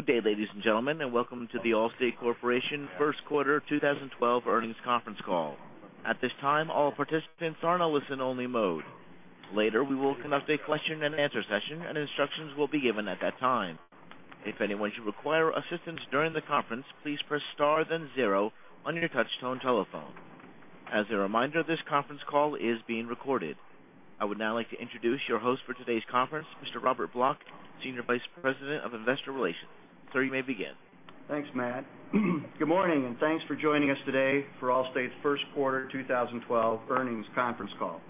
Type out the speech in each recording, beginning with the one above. Good day, ladies and gentlemen, and welcome to The Allstate Corporation first quarter 2012 earnings conference call. At this time, all participants are in a listen-only mode. Later, we will conduct a question and answer session. Instructions will be given at that time. If anyone should require assistance during the conference, please press star then zero on your touch-tone telephone. As a reminder, this conference call is being recorded. I would now like to introduce your host for today's conference, Mr. Robert Block, Senior Vice President of Investor Relations. Sir, you may begin. Thanks, Matt. Good morning, and thanks for joining us today for Allstate's first quarter 2012 earnings conference call.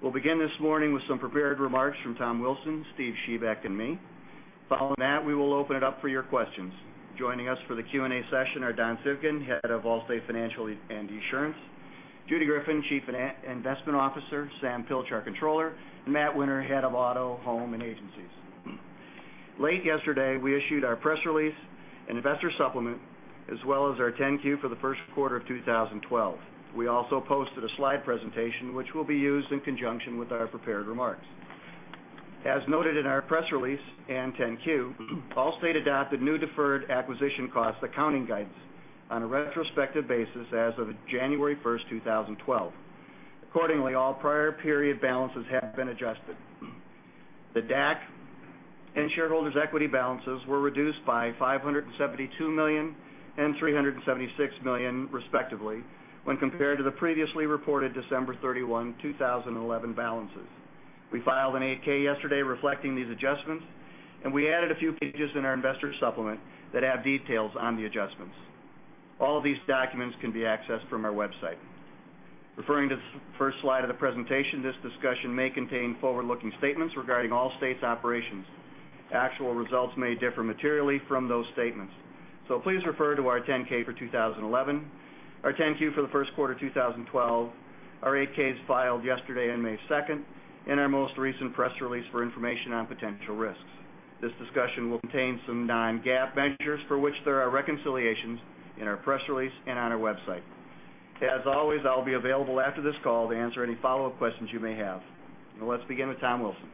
We'll begin this morning with some prepared remarks from Tom Wilson, Steve Shebik, and me. Following that, we will open it up for your questions. Joining us for the Q&A session are Don Civgin, head of Allstate Financial and Esurance, Judy Greffin, Chief Investment Officer, Sam Pilch, Controller, and Matt Winter, head of Auto, Home, and Agencies. Late yesterday, we issued our press release and investor supplement, as well as our 10-Q for the first quarter of 2012. We also posted a slide presentation which will be used in conjunction with our prepared remarks. As noted in our press release and 10-Q, Allstate adopted new deferred acquisition costs accounting guidance on a retrospective basis as of January 1st, 2012. Accordingly, all prior period balances have been adjusted. The DAC and shareholders' equity balances were reduced by $572 million and $376 million respectively when compared to the previously reported December 31, 2011 balances. We filed an 8-K yesterday reflecting these adjustments. We added a few pages in our investor supplement that have details on the adjustments. All these documents can be accessed from our website. Referring to the first slide of the presentation, this discussion may contain forward-looking statements regarding Allstate's operations. Actual results may differ materially from those statements. Please refer to our 10-K for 2011, our 10-Q for the first quarter of 2012, our 8-Ks filed yesterday and May 2nd, and our most recent press release for information on potential risks. This discussion will contain some non-GAAP measures for which there are reconciliations in our press release and on our website. As always, I'll be available after this call to answer any follow-up questions you may have. Now let's begin with Tom Wilson.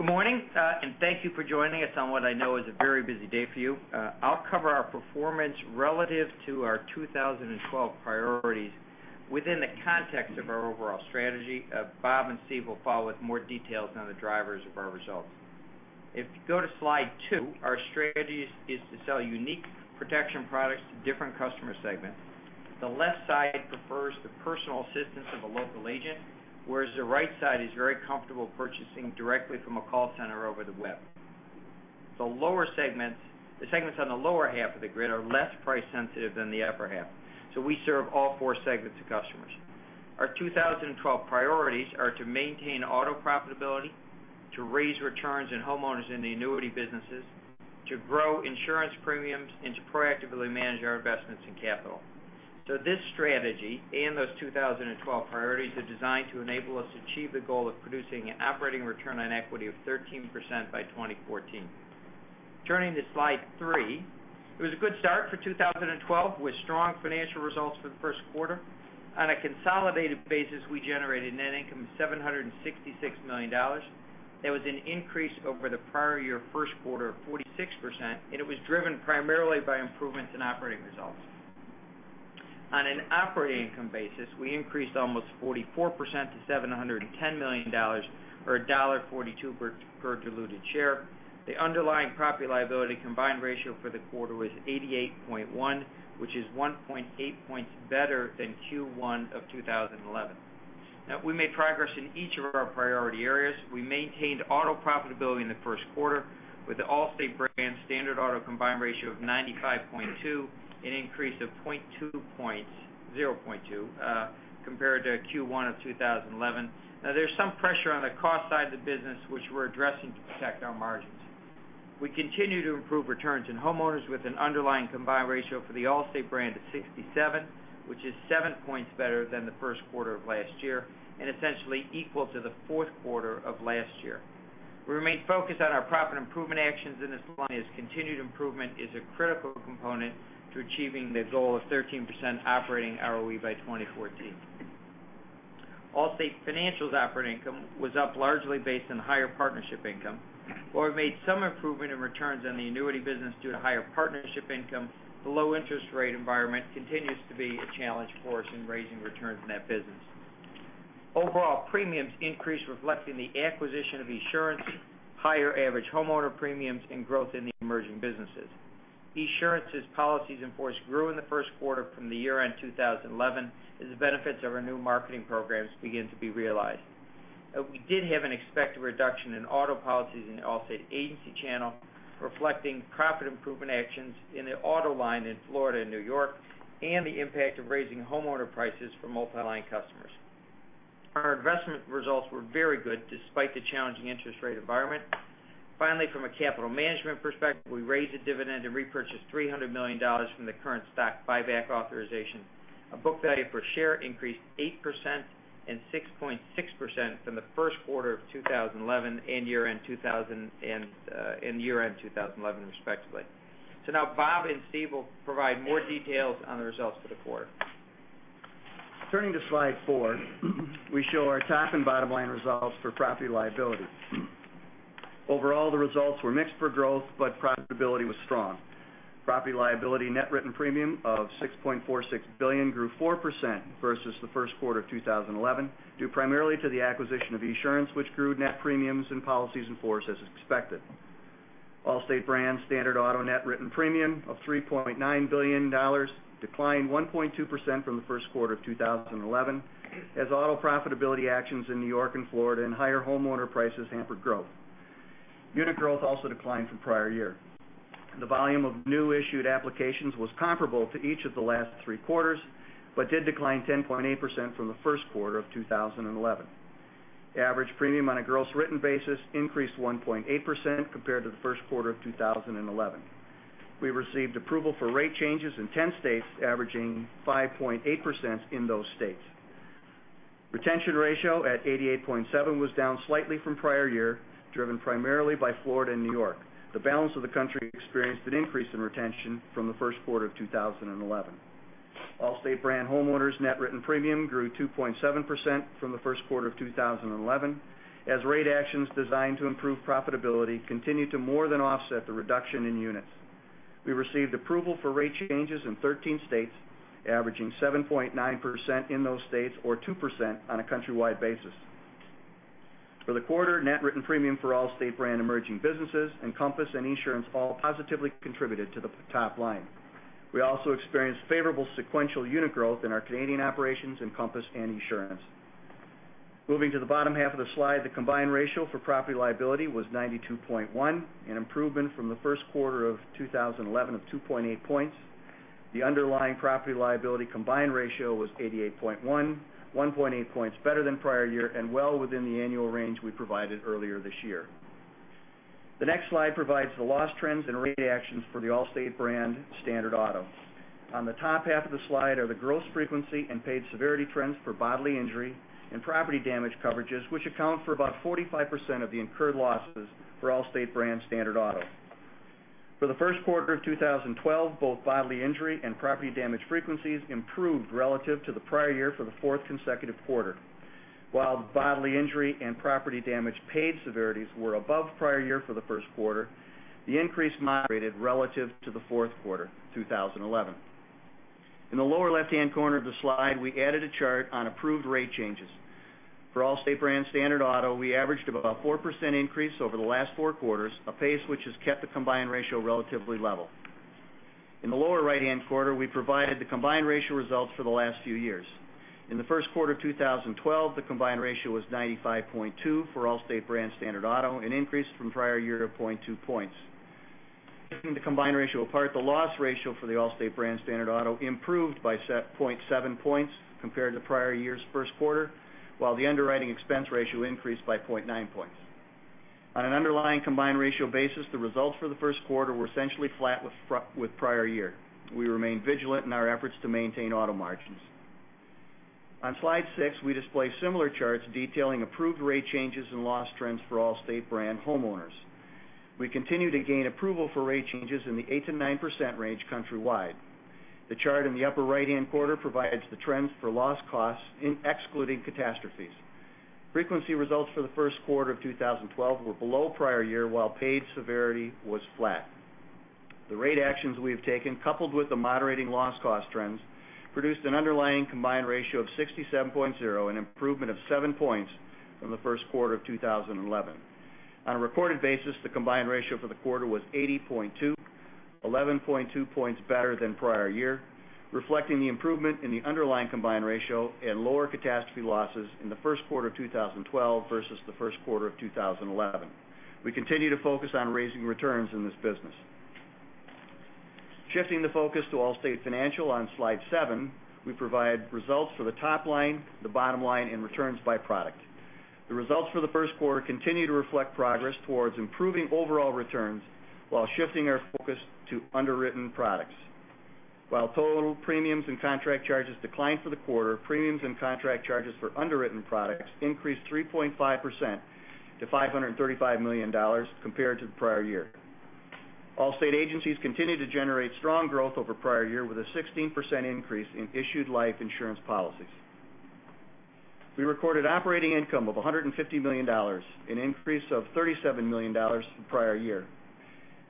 Good morning, and thank you for joining us on what I know is a very busy day for you. I'll cover our performance relative to our 2012 priorities within the context of our overall strategy. Bob and Steve will follow with more details on the drivers of our results. If you go to slide two, our strategy is to sell unique protection products to different customer segments. The left side prefers the personal assistance of a local agent, whereas the right side is very comfortable purchasing directly from a call center over the web. The segments on the lower half of the grid are less price sensitive than the upper half. We serve all four segments of customers. Our 2012 priorities are to maintain auto profitability, to raise returns in homeowners in the annuity businesses, to grow insurance premiums, and to proactively manage our investments in capital. This strategy and those 2012 priorities are designed to enable us to achieve the goal of producing an operating return on equity of 13% by 2014. Turning to slide three, it was a good start for 2012 with strong financial results for the first quarter. On a consolidated basis, we generated net income of $766 million. That was an increase over the prior year first quarter of 46%, and it was driven primarily by improvements in operating results. On an operating income basis, we increased almost 44% to $710 million, or $1.42 per diluted share. The underlying property & liability combined ratio for the quarter was 88.1, which is 1.8 points better than Q1 of 2011. We made progress in each of our priority areas. We maintained auto profitability in the first quarter with the Allstate brand standard auto combined ratio of 95.2, an increase of 0.2 compared to Q1 of 2011. There's some pressure on the cost side of the business, which we're addressing to protect our margins. We continue to improve returns in homeowners with an underlying combined ratio for the Allstate brand of 67, which is seven points better than the first quarter of last year and essentially equal to the fourth quarter of last year. We remain focused on our profit improvement actions in this line, as continued improvement is a critical component to achieving the goal of 13% operating ROE by 2014. Allstate Financial's operating income was up largely based on higher partnership income. While we made some improvement in returns on the annuity business due to higher partnership income, the low interest rate environment continues to be a challenge for us in raising returns in that business. Overall premiums increased reflecting the acquisition of Esurance, higher average homeowner premiums, and growth in the emerging businesses. Esurance's policies in force grew in the first quarter from the year-end 2011 as the benefits of our new marketing programs begin to be realized. We did have an expected reduction in auto policies in the Allstate agency channel, reflecting profit improvement actions in the auto line in Florida and New York and the impact of raising homeowner prices for multi-line customers. Our investment results were very good despite the challenging interest rate environment. Finally, from a capital management perspective, we raised the dividend and repurchased $300 million from the current stock buyback authorization. Our book value per share increased 8% and 6.6% from the first quarter of 2011 and year-end 2011 respectively. Now Bob and Steve will provide more details on the results for the quarter. Turning to slide four, we show our top and bottom line results for property and liability. Overall, the results were mixed for growth, but profitability was strong. Property and liability net written premium of $6.46 billion grew 4% versus the first quarter of 2011, due primarily to the acquisition of Esurance, which grew net premiums and policies in force as expected. Allstate brand standard auto net written premium of $3.9 billion declined 1.2% from the first quarter of 2011, as auto profitability actions in N.Y. and Florida and higher homeowner prices hampered growth. Unit growth also declined from prior year. The volume of new issued applications was comparable to each of the last three quarters, but did decline 10.8% from the first quarter of 2011. The average premium on a gross written basis increased 1.8% compared to the first quarter of 2011. We received approval for rate changes in 10 states, averaging 5.8% in those states. Retention ratio at 88.7% was down slightly from prior year, driven primarily by Florida and N.Y. The balance of the country experienced an increase in retention from the first quarter of 2011. Allstate brand homeowners' net written premium grew 2.7% from the first quarter of 2011, as rate actions designed to improve profitability continued to more than offset the reduction in units. We received approval for rate changes in 13 states, averaging 7.9% in those states or 2% on a countrywide basis. For the quarter, net written premium for Allstate brand emerging businesses, Encompass, and Esurance all positively contributed to the top line. We also experienced favorable sequential unit growth in our Canadian operations, Encompass, and Esurance. Moving to the bottom half of the slide, the combined ratio for property and liability was 92.1%, an improvement from the first quarter of 2011 of 2.8 points. The underlying property and liability combined ratio was 88.1%, 1.8 points better than prior year, and well within the annual range we provided earlier this year. The next slide provides the loss trends and rate actions for the Allstate brand standard auto. On the top half of the slide are the gross frequency and paid severity trends for bodily injury and property damage coverages, which account for about 45% of the incurred losses for Allstate brand standard auto. For the first quarter of 2012, both bodily injury and property damage frequencies improved relative to the prior year for the fourth consecutive quarter. While bodily injury and property damage paid severities were above prior year for the first quarter, the increase moderated relative to the fourth quarter 2011. In the lower left-hand corner of the slide, we added a chart on approved rate changes. For Allstate brand standard auto, we averaged about a 4% increase over the last four quarters, a pace which has kept the combined ratio relatively level. In the lower right-hand corner, we provided the combined ratio results for the last few years. In the first quarter of 2012, the combined ratio was 95.2 for Allstate brand standard auto, an increase from prior year of 0.2 points. Taking the combined ratio apart, the loss ratio for the Allstate brand standard auto improved by 0.7 points compared to prior year's first quarter, while the underwriting expense ratio increased by 0.9 points. On an underlying combined ratio basis, the results for the first quarter were essentially flat with prior year. We remain vigilant in our efforts to maintain auto margins. On slide six, we display similar charts detailing approved rate changes and loss trends for Allstate brand homeowners. We continue to gain approval for rate changes in the 8%-9% range countrywide. The chart in the upper right-hand corner provides the trends for loss costs excluding catastrophes. Frequency results for the first quarter of 2012 were below prior year, while paid severity was flat. The rate actions we have taken, coupled with the moderating loss cost trends, produced an underlying combined ratio of 67.0, an improvement of seven points from the first quarter of 2011. On a reported basis, the combined ratio for the quarter was 80.2, 11.2 points better than prior year, reflecting the improvement in the underlying combined ratio and lower catastrophe losses in the first quarter of 2012 versus the first quarter of 2011. We continue to focus on raising returns in this business. Shifting the focus to Allstate Financial on slide seven, we provide results for the top line, the bottom line, and returns by product. The results for the first quarter continue to reflect progress towards improving overall returns while shifting our focus to underwritten products. While total premiums and contract charges declined for the quarter, premiums and contract charges for underwritten products increased 3.5% to $535 million compared to the prior year. Allstate agencies continued to generate strong growth over prior year with a 16% increase in issued life insurance policies. We recorded operating income of $150 million, an increase of $37 million from prior year.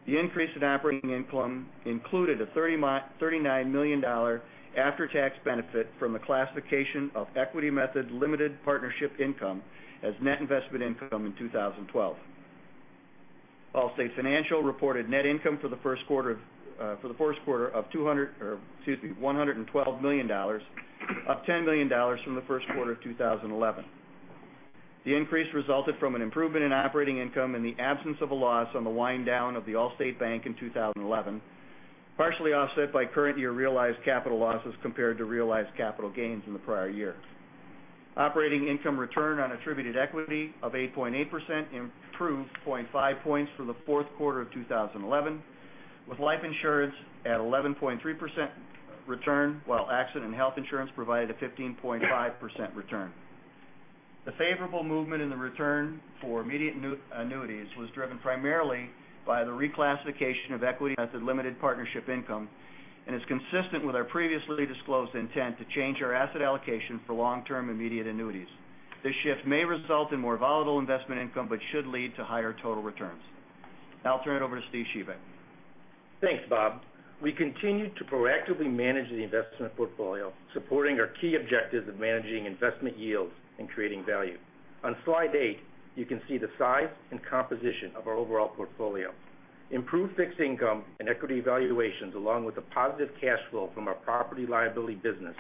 The increase in operating income included a $39 million after-tax benefit from the classification of equity method limited partnership income as net investment income in 2012. Allstate Financial reported net income for the first quarter of $112 million, up $10 million from the first quarter of 2011. The increase resulted from an improvement in operating income in the absence of a loss on the wind-down of the Allstate Bank in 2011, partially offset by current year realized capital losses compared to realized capital gains in the prior year. Operating income return on attributed equity of 8.8% improved 0.5 points from the fourth quarter of 2011, with life insurance at 11.3% return, while accident and health insurance provided a 15.5% return. The favorable movement in the return for immediate annuities was driven primarily by the reclassification of equity method limited partnership income, is consistent with our previously disclosed intent to change our asset allocation for long-term immediate annuities. This shift may result in more volatile investment income but should lead to higher total returns. Now I'll turn it over to Steve Shebik. Thanks, Bob. We continue to proactively manage the investment portfolio, supporting our key objectives of managing investment yields and creating value. On slide eight, you can see the size and composition of our overall portfolio. Improved fixed income and equity valuations, along with the positive cash flow from our property liability business,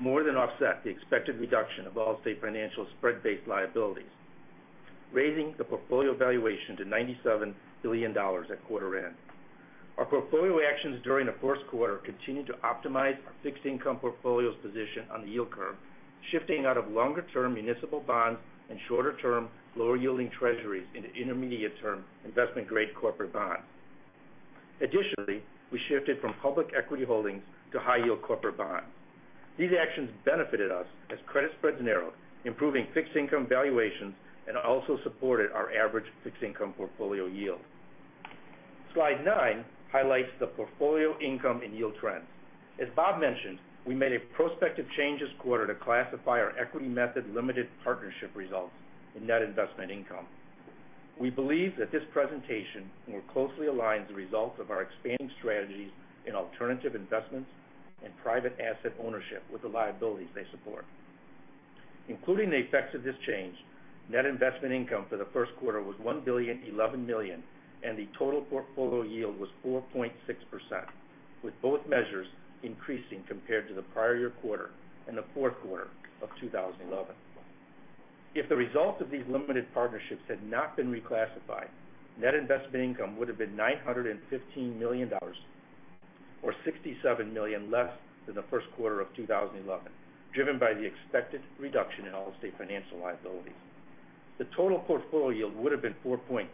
more than offset the expected reduction of Allstate Financial's spread-based liabilities, raising the portfolio valuation to $97 billion at quarter end. Our portfolio actions during the first quarter continued to optimize our fixed income portfolio's position on the yield curve, shifting out of longer-term municipal bonds and shorter-term, lower-yielding treasuries into intermediate-term, investment-grade corporate bonds. Additionally, we shifted from public equity holdings to high-yield corporate bonds. These actions benefited us as credit spreads narrowed, improving fixed income valuations and also supported our average fixed income portfolio yield. Slide nine highlights the portfolio income and yield trends. As Bob mentioned, we made a prospective change this quarter to classify our equity method limited partnership results in net investment income. We believe that this presentation more closely aligns the results of our expanding strategies in alternative investments and private asset ownership with the liabilities they support. Including the effects of this change, net investment income for the first quarter was $1.011 billion, and the total portfolio yield was 4.6%, with both measures increasing compared to the prior year quarter and the fourth quarter of 2011. If the results of these limited partnerships had not been reclassified, net investment income would have been $915 million, or $67 million less than the first quarter of 2011, driven by the expected reduction in Allstate Financial liabilities. The total portfolio yield would have been 4.3%,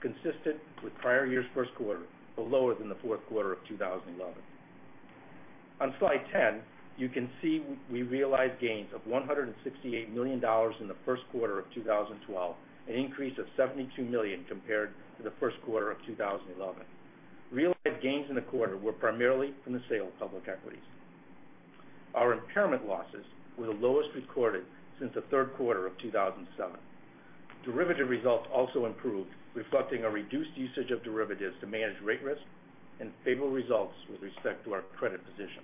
consistent with prior year's first quarter, but lower than the fourth quarter of 2011. On slide 10, you can see we realized gains of $168 million in the first quarter of 2012, an increase of $72 million compared to the first quarter of 2011. Realized gains in the quarter were primarily from the sale of public equities. Our impairment losses were the lowest recorded since the third quarter of 2007. Derivative results also improved, reflecting a reduced usage of derivatives to manage rate risk and favorable results with respect to our credit position.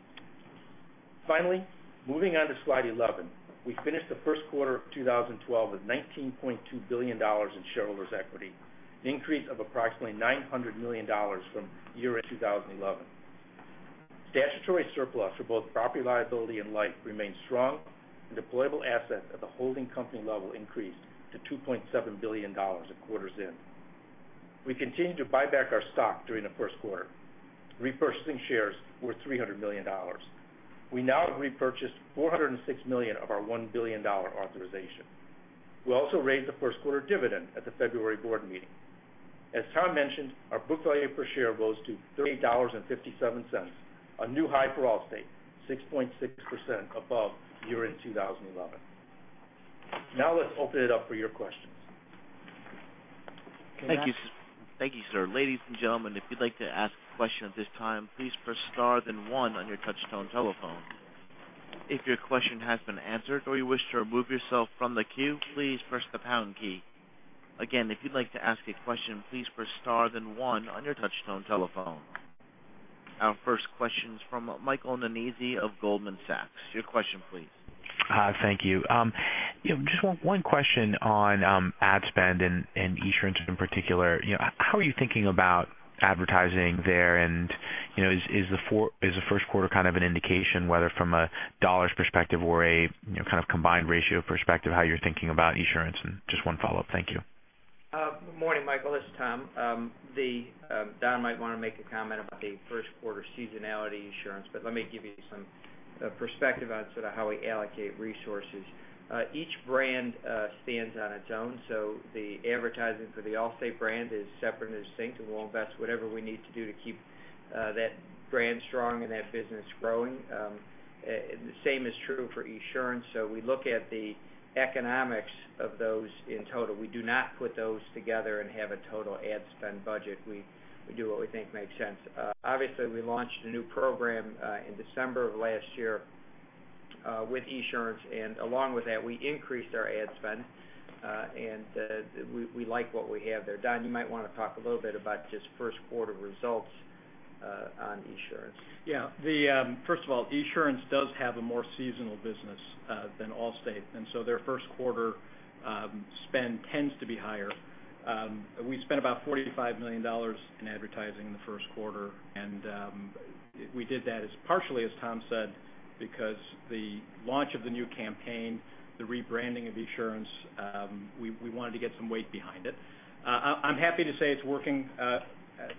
Finally, moving on to slide 11, we finished the first quarter of 2012 with $19.2 billion in shareholders' equity, an increase of approximately $900 million from year-end 2011. Statutory surplus for both property liability and life remained strong, and deployable assets at the holding company level increased to $2.7 billion at quarters end. We continued to buy back our stock during the first quarter, repurchasing shares worth $300 million. We now have repurchased $406 million of our $1 billion authorization. We also raised the first-quarter dividend at the February board meeting. As Tom mentioned, our book value per share rose to $30.57, a new high for Allstate, 6.6% above year-end 2011. Now let's open it up for your questions. Thank you, sir. Ladies and gentlemen, if you'd like to ask a question at this time, please press star then one on your touchtone telephone. If your question has been answered or you wish to remove yourself from the queue, please press the pound key. Again, if you'd like to ask a question, please press star then one on your touchtone telephone. Our first question is from Michael Nannizzi of Goldman Sachs. Your question, please. Hi, thank you. Just one question on ad spend and Esurance in particular. How are you thinking about advertising there? Is the first quarter kind of an indication, whether from a dollars perspective or a kind of combined ratio perspective, how you're thinking about Esurance? Just one follow-up. Thank you. Good morning, Michael. This is Tom. Don might want to make a comment about the first quarter seasonality insurance, let me give you some perspective on how we allocate resources. Each brand stands on its own, the advertising for the Allstate brand is separate and distinct, and we'll invest whatever we need to do to keep that brand strong and that business growing. The same is true for Esurance, we look at the economics of those in total. We do not put those together and have a total ad spend budget. We do what we think makes sense. Obviously, we launched a new program in December of last year with Esurance, along with that, we increased our ad spend, and we like what we have there. Don, you might want to talk a little bit about just first quarter results on Esurance. Yeah. First of all, Esurance does have a more seasonal business than Allstate, their first quarter spend tends to be higher. We spent about $45 million in advertising in the first quarter, and we did that as partially, as Tom said, because the launch of the new campaign, the rebranding of Esurance, we wanted to get some weight behind it. I'm happy to say it's working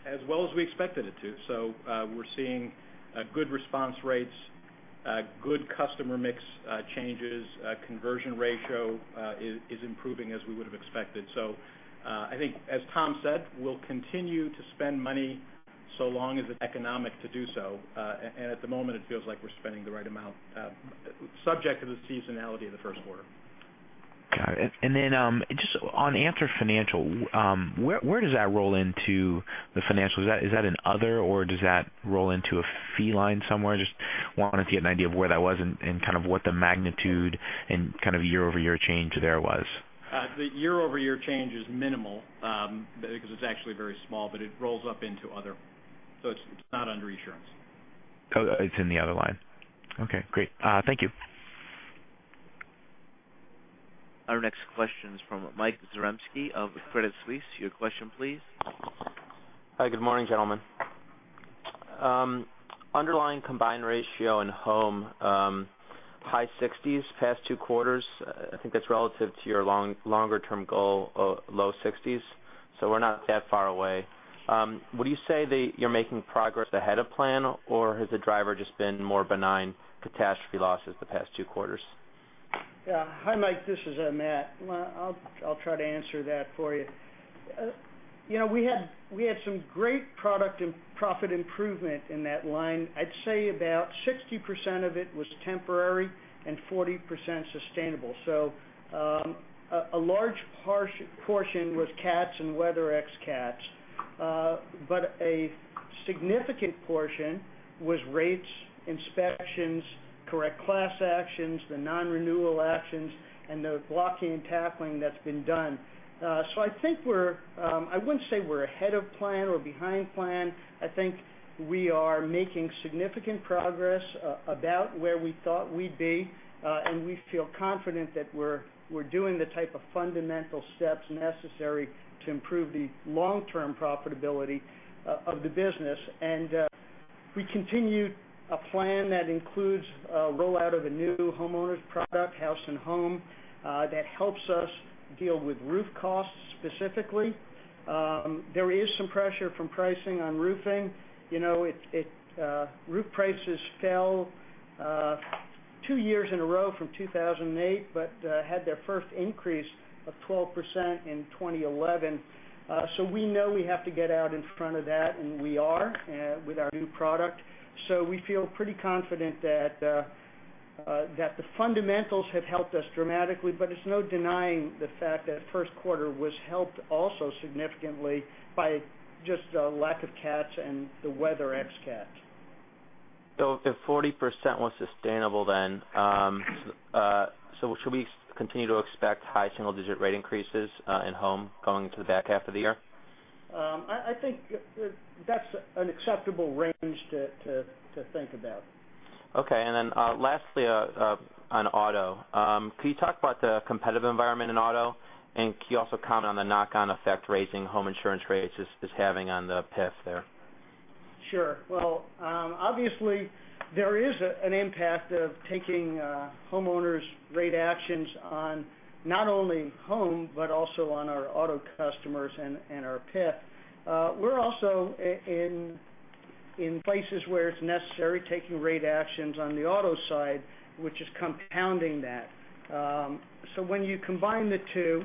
as well as we expected it to. We're seeing good response rates, good customer mix changes, conversion ratio is improving as we would have expected. I think, as Tom said, we'll continue to spend money Long as it's economic to do so. At the moment, it feels like we're spending the right amount, subject to the seasonality of the first quarter. Got it. Just on Answer Financial, where does that roll into the financials? Is that an other, or does that roll into a fee line somewhere? Just wanted to get an idea of where that was and kind of what the magnitude and kind of year-over-year change there was. The year-over-year change is minimal, because it's actually very small, it rolls up into other, it's not under insurance. Oh, it's in the other line. Okay, great. Thank you. Our next question is from Michael Zaremski of Credit Suisse. Your question please. Hi, good morning, gentlemen. Underlying combined ratio and home, high 60s, past two quarters, I think that's relative to your longer-term goal of low 60s. We're not that far away. Would you say that you're making progress ahead of plan, or has the driver just been more benign catastrophe losses the past two quarters? Yeah. Hi, Mike. This is Matt. I'll try to answer that for you. We had some great product and profit improvement in that line. I'd say about 60% of it was temporary and 40% sustainable. A large portion was cats and weather ex cats. A significant portion was rates, inspections, correct class actions, the non-renewal actions, and the blocking and tackling that's been done. I think we're. I wouldn't say we're ahead of plan or behind plan. I think we are making significant progress about where we thought we'd be. We feel confident that we're doing the type of fundamental steps necessary to improve the long-term profitability of the business. We continue a plan that includes a rollout of a new homeowners product, House & Home, that helps us deal with roof costs specifically. There is some pressure from pricing on roofing. Roof prices fell two years in a row from 2008, but had their first increase of 12% in 2011. We know we have to get out in front of that, and we are with our new product. We feel pretty confident that the fundamentals have helped us dramatically, but it's no denying the fact that first quarter was helped also significantly by just a lack of cats and the weather ex cats. If 40% was sustainable then, should we continue to expect high single digit rate increases in home going into the back half of the year? I think that's an acceptable range to think about. Lastly on auto. Can you talk about the competitive environment in auto, and can you also comment on the knock-on effect raising home insurance rates is having on the PIF there? Sure. Well, obviously there is an impact of taking homeowners rate actions on not only home, but also on our auto customers and our PIF. We're also in places where it's necessary, taking rate actions on the auto side, which is compounding that. When you combine the two,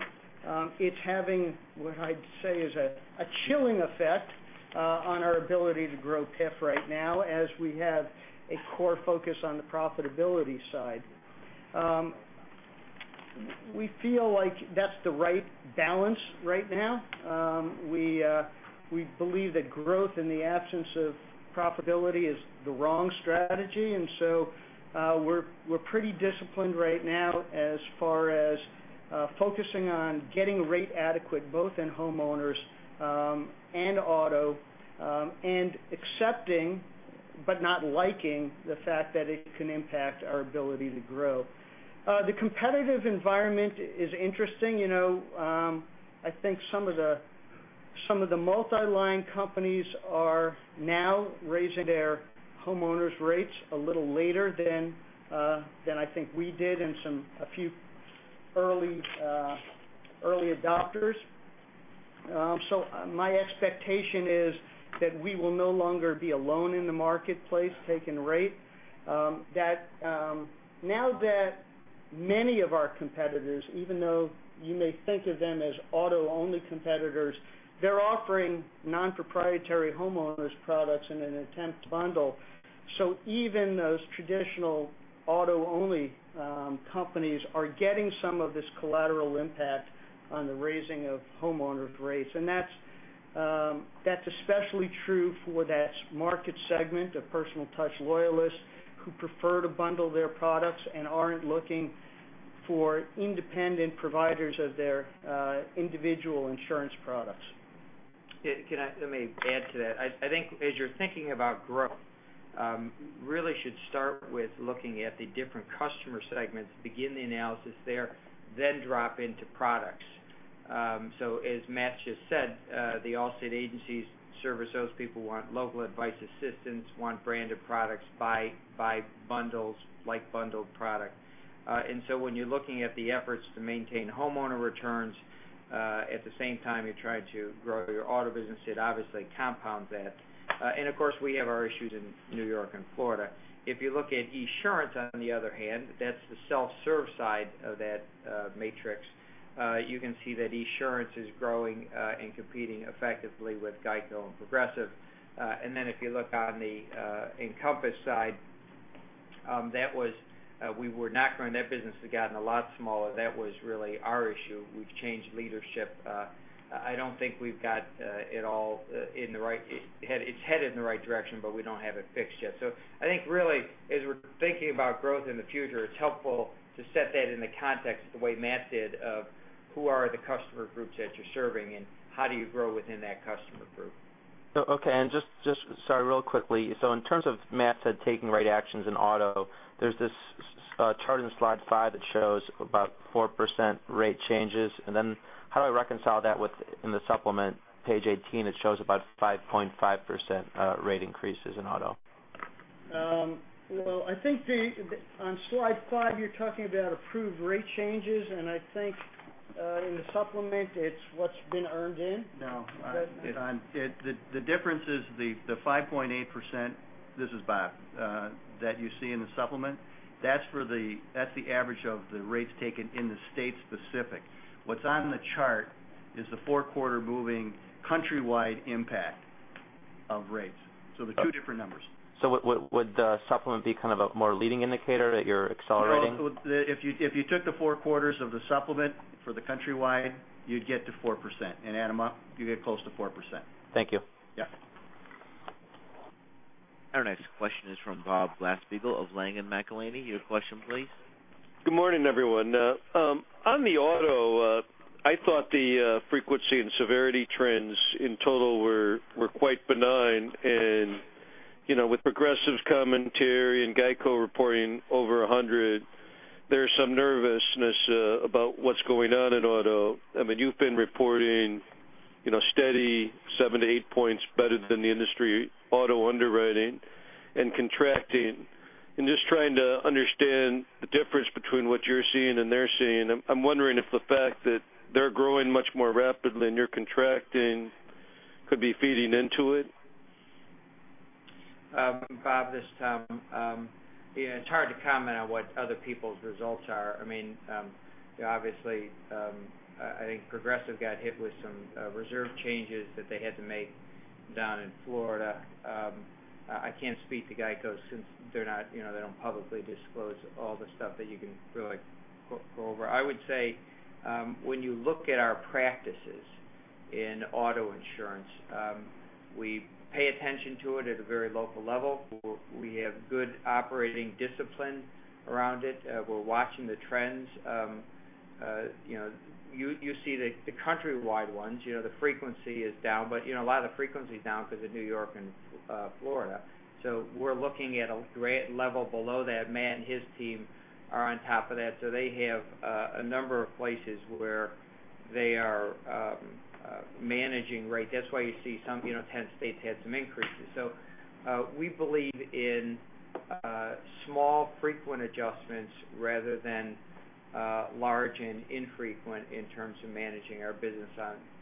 it's having, what I'd say is a chilling effect on our ability to grow PIF right now as we have a core focus on the profitability side. We feel like that's the right balance right now. We believe that growth in the absence of profitability is the wrong strategy. We're pretty disciplined right now as far as focusing on getting rate adequate, both in homeowners and auto, and accepting, but not liking the fact that it can impact our ability to grow. The competitive environment is interesting. I think some of the multi-line companies are now raising their homeowners rates a little later than I think we did and a few early adopters. My expectation is that we will no longer be alone in the marketplace taking rate. That now that many of our competitors, even though you may think of them as auto only competitors, they're offering non-proprietary homeowners products in an attempt to bundle. Even those traditional auto only companies are getting some of this collateral impact on the raising of homeowners rates. That's especially true for that market segment of personal touch loyalists who prefer to bundle their products and aren't looking for independent providers of their individual insurance products. Let me add to that. I think as you're thinking about growth, really should start with looking at the different customer segments, begin the analysis there, then drop into products. As Matt just said, the Allstate agencies service those people who want local advice assistance, want branded products, buy bundles, like bundled product. When you're looking at the efforts to maintain homeowner returns, at the same time, you're trying to grow your auto business, it obviously compounds that. Of course, we have our issues in New York and Florida. If you look at Esurance on the other hand, that's the self-serve side of that matrix. You can see that Esurance is growing and competing effectively with GEICO and Progressive. If you look on the Encompass side, we were not growing that business. It had gotten a lot smaller. That was really our issue. We've changed leadership. I don't think we've got it all. It's headed in the right direction, but we don't have it fixed yet. I think really, as we're thinking about growth in the future, it's helpful to set that in the context the way Matt did of who are the customer groups that you're serving and how do you grow within that customer group. Okay. Just, sorry, real quickly. In terms of Matt said, taking rate actions in auto, there's this chart in slide five that shows about 4% rate changes. How do I reconcile that with in the supplement page 18, it shows about 5.5% rate increases in auto. I think on slide five, you're talking about approved rate changes, and I think in the supplement, it's what's been earned in. No. The difference is the 5.8%, this is Bob, that you see in the supplement, that's the average of the rates taken in the state specific. What's on the chart is the four quarter moving countrywide impact of rates. They're two different numbers. Would the supplement be kind of a more leading indicator that you're accelerating? No. If you took the 4 quarters of the supplement for the countrywide, you'd get to 4%. In force, you get close to 4%. Thank you. Yeah. Our next question is from Bob Glasspiegel of Langen McAlenney. Your question, please. Good morning, everyone. On the auto, I thought the frequency and severity trends in total were quite benign. With Progressive's commentary and GEICO reporting over 100, there's some nervousness about what's going on in auto. You've been reporting steady 7-8 points better than the industry auto underwriting and contracting. I'm just trying to understand the difference between what you're seeing and they're seeing. I'm wondering if the fact that they're growing much more rapidly and you're contracting could be feeding into it. Bob, this is Tom. It's hard to comment on what other people's results are. Obviously, I think Progressive Corporation got hit with some reserve changes that they had to make down in Florida. I can't speak to GEICO since they don't publicly disclose all the stuff that you can really go over. I would say when you look at our practices in auto insurance, we pay attention to it at a very local level. We have good operating discipline around it. We're watching the trends. You see the countrywide ones. The frequency is down, but a lot of the frequency is down because of N.Y. and Florida. We're looking at a great level below that. Matt and his team are on top of that. They have a number of places where they are managing rate. That's why you see some states had some increases. We believe in small frequent adjustments rather than large and infrequent in terms of managing our business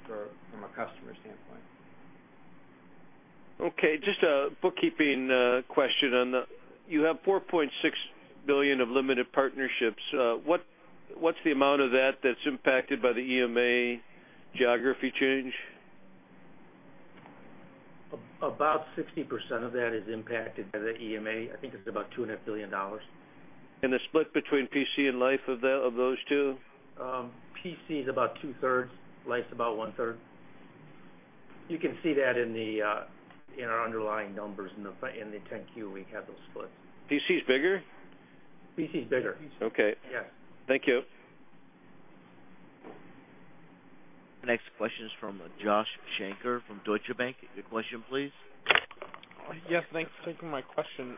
from a customer standpoint. Okay, just a bookkeeping question. You have $4.6 billion of limited partnerships. What's the amount of that that's impacted by the EMA geography change? About 60% of that is impacted by the EMA. I think it's about $2.5 billion. The split between P&C and life of those two? P&C is about two-thirds, life's about one-third. You can see that in our underlying numbers in the 10-Q, we have those splits. P&C is bigger? P&C is bigger. Okay. Yes. Thank you. Next question is from Joshua Shanker from Deutsche Bank. Your question, please. Yes, thanks for taking my question.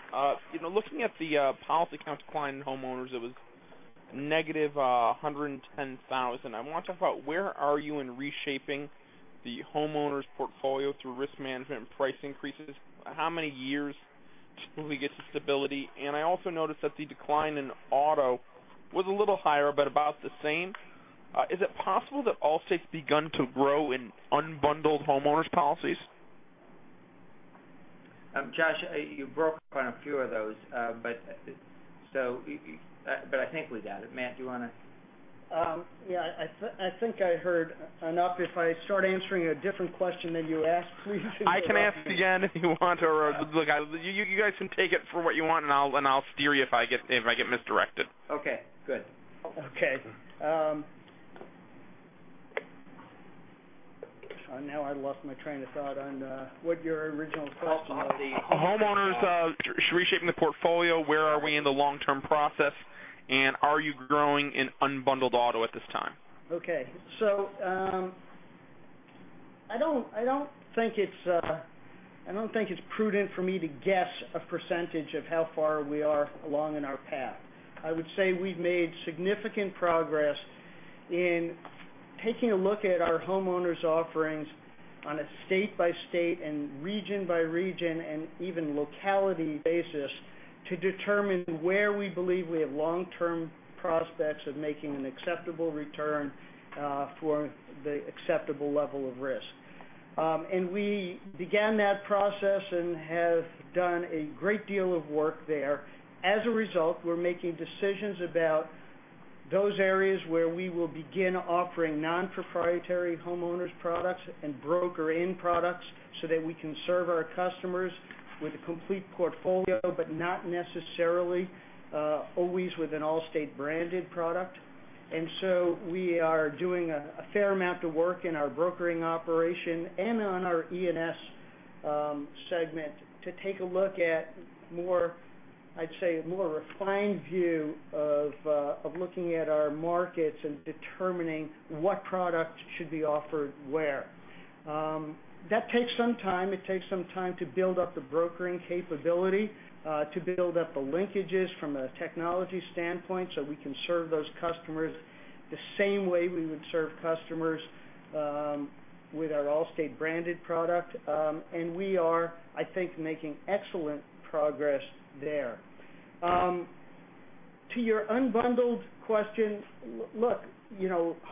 Looking at the policy counts decline in homeowners, it was negative 110,000. I want to talk about where are you in reshaping the homeowners portfolio through risk management and price increases? How many years till we get to stability? I also noticed that the decline in auto was a little higher, but about the same. Is it possible that Allstate's begun to grow in unbundled homeowners policies? Josh, you broke quite a few of those. I think we got it. Matt, do you want to? Yeah, I think I heard enough. If I start answering a different question than you asked, please feel free- I can ask again if you want or you guys can take it for what you want and I'll steer you if I get misdirected. Okay, good. Okay. Now I lost my train of thought on what your original question was. Homeowners reshaping the portfolio, where are we in the long-term process, and are you growing in unbundled auto at this time? Okay. I don't think it's prudent for me to guess a percentage of how far we are along in our path. I would say we've made significant progress in taking a look at our homeowners offerings on a state by state and region by region and even locality basis to determine where we believe we have long-term prospects of making an acceptable return for the acceptable level of risk. We began that process and have done a great deal of work there. As a result, we're making decisions about those areas where we will begin offering non-proprietary homeowners products and brokering products so that we can serve our customers with a complete portfolio, but not necessarily always with an Allstate branded product. We are doing a fair amount of work in our brokering operation and on our E&S segment to take a look at, I'd say, a more refined view of looking at our markets and determining what product should be offered where. That takes some time. It takes some time to build up the brokering capability, to build up the linkages from a technology standpoint so we can serve those customers the same way we would serve customers with our Allstate branded product. We are, I think, making excellent progress there. To your unbundled question, look,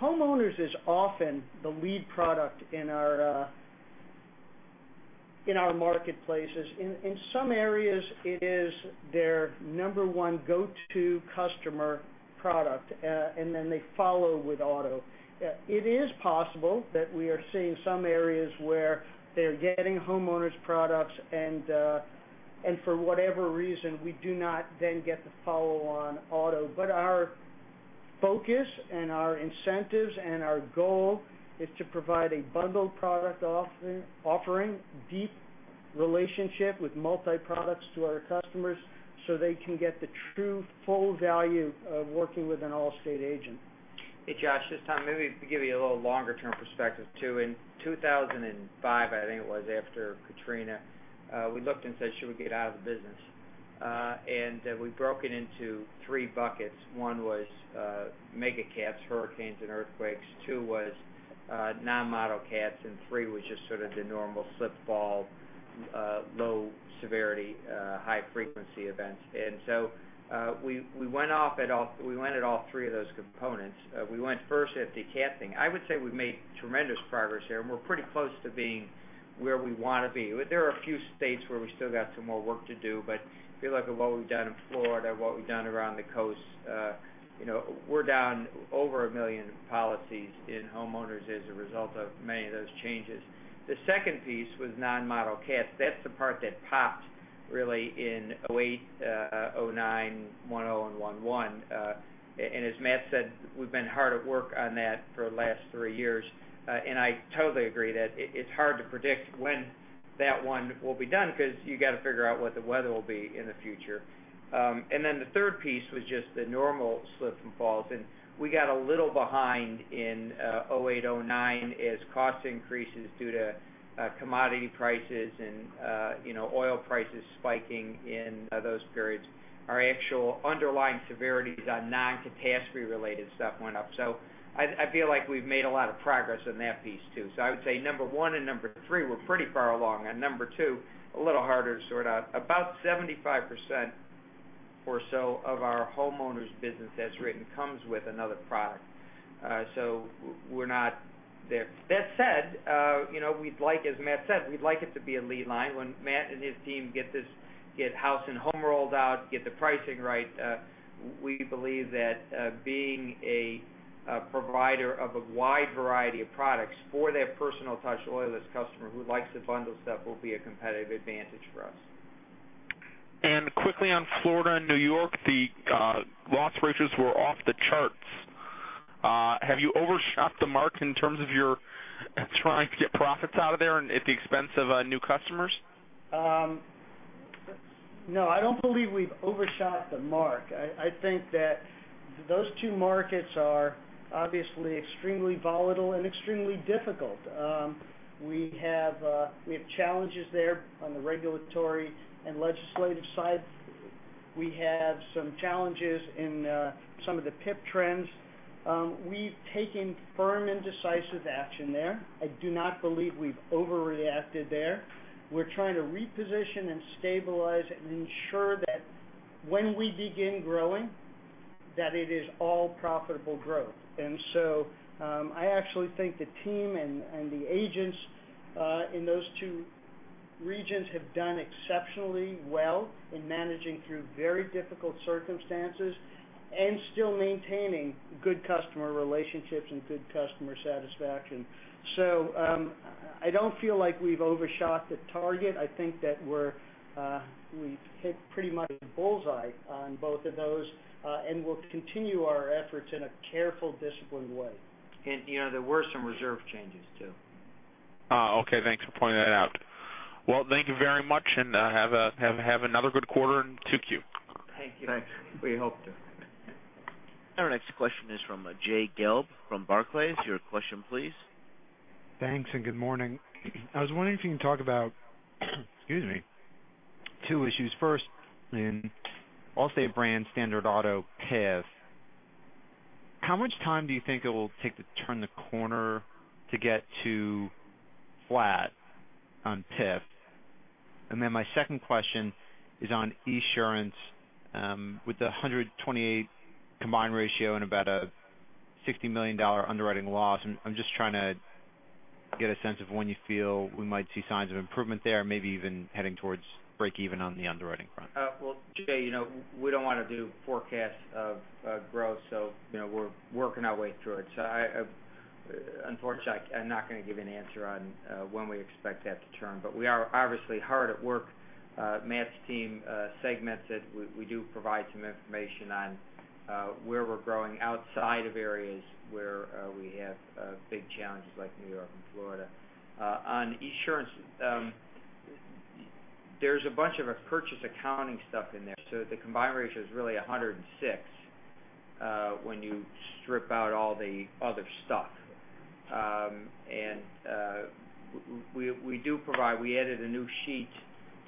homeowners is often the lead product in our marketplaces. In some areas, it is their number 1 go-to customer product, they follow with auto. It is possible that we are seeing some areas where they're getting homeowners products and for whatever reason, we do not then get the follow on auto. Our focus and our incentives and our goal is to provide a bundled product offering, deep relationship with multi-products to our customers so they can get the true full value of working with an Allstate agent. Hey, Josh, it's Tom. Maybe to give you a little longer term perspective, too. In 2005, I think it was after Hurricane Katrina, we looked and said, "Should we get out of the business?" We broke it into three buckets. One was mega cats, hurricanes, and earthquakes, two was non-model cats, and three was just sort of the normal slip fall, low severity, high frequency events. We went at all three of those components. We went first at decatting. I would say we've made tremendous progress there, and we're pretty close to being where we want to be. There are a few states where we still got some more work to do, but if you look at what we've done in Florida, what we've done around the coast, we're down over 1 million policies in homeowners as a result of many of those changes. The second piece was non-model cats. That's the part that popped really in 2008, 2009, 2010, and 2011. As Matt said, we've been hard at work on that for the last three years. I totally agree that it's hard to predict when that one will be done because you got to figure out what the weather will be in the future. The third piece was just the normal slips and falls, and we got a little behind in 2008, 2009 as cost increases due to commodity prices and oil prices spiking in those periods. Our actual underlying severities on non-catastrophe related stuff went up. I feel like we've made a lot of progress on that piece, too. I would say number one and number three, we're pretty far along. On number two, a little harder to sort out. About 75% or so of our homeowners business as written comes with another product. We're not there. That said as Matt said, we'd like it to be a lead line. When Matt and his team get House & Home rolled out, get the pricing right, we believe that being a provider of a wide variety of products for that personal touch loyalist customer who likes to bundle stuff will be a competitive advantage for us. Quickly on Florida and New York, the loss ratios were off the charts. Have you overshot the mark in terms of your trying to get profits out of there and at the expense of new customers? No, I don't believe we've overshot the mark. I think that those two markets are obviously extremely volatile and extremely difficult. We have challenges there on the regulatory and legislative side. We have some challenges in some of the PIP trends. We've taken firm and decisive action there. I do not believe we've overreacted there. We're trying to reposition and stabilize and ensure that when we begin growing, that it is all profitable growth. I actually think the team and the agents in those two regions have done exceptionally well in managing through very difficult circumstances and still maintaining good customer relationships and good customer satisfaction. I don't feel like we've overshot the target. I think that we've hit pretty much a bullseye on both of those, and we'll continue our efforts in a careful, disciplined way. There were some reserve changes, too. Okay. Thanks for pointing that out. Thank you very much and have another good quarter in 2Q. Thank you. Thanks. We hope to. Our next question is from Jay Gelb from Barclays. Your question, please. Thanks. Good morning. I was wondering if you can talk about, excuse me, two issues. First, in Allstate brand standard auto PIF, how much time do you think it will take to turn the corner to get to flat on PIF? My second question is on Esurance, with the 128 combined ratio and about a $60 million underwriting loss, I'm just trying to get a sense of when you feel we might see signs of improvement there, maybe even heading towards breakeven on the underwriting front. Well, Jay, we don't want to do forecasts of growth. We're working our way through it. Unfortunately, I'm not going to give you an answer on when we expect that to turn, but we are obviously hard at work. Matt's team segments it. We do provide some information on where we're growing outside of areas where we have big challenges like New York and Florida. On Esurance, there's a bunch of purchase accounting stuff in there, so the combined ratio is really 106 when you strip out all the other stuff. We do provide, we added a new sheet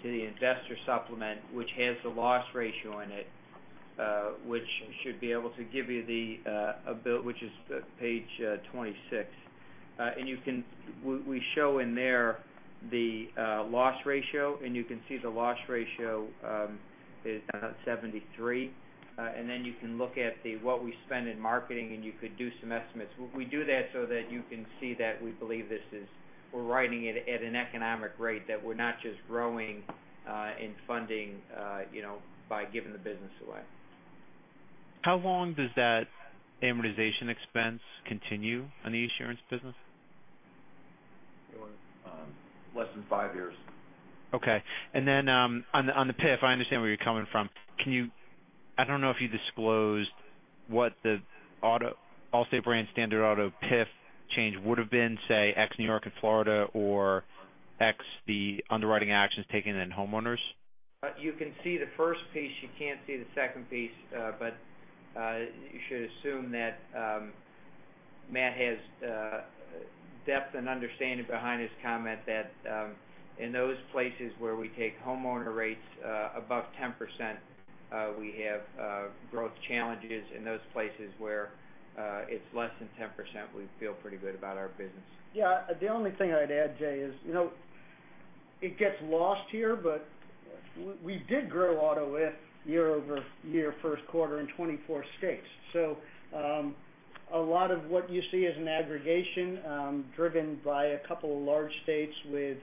to the investor supplement, which has the loss ratio in it, which should be able to give you the bill, which is page 26. We show in there the loss ratio, and you can see the loss ratio is down at 73. Then you can look at what we spend in marketing, and you could do some estimates. We do that so that you can see that we believe we're writing it at an economic rate, that we're not just growing and funding by giving the business away. How long does that amortization expense continue on the Esurance business? Less than five years. Okay. Then on the PIF, I understand where you're coming from. I don't know if you disclosed what the Allstate brand standard auto PIF change would've been, say, ex New York and Florida, or ex the underwriting actions taken in homeowners. You can see the first piece. You can't see the second piece. You should assume that Matt has depth and understanding behind his comment that in those places where we take homeowner rates above 10%, we have growth challenges. In those places where it's less than 10%, we feel pretty good about our business. Yeah. The only thing I'd add, Jay, is it gets lost here, but we did grow auto with year-over-year first quarter in 24 states. A lot of what you see is an aggregation driven by a couple of large states with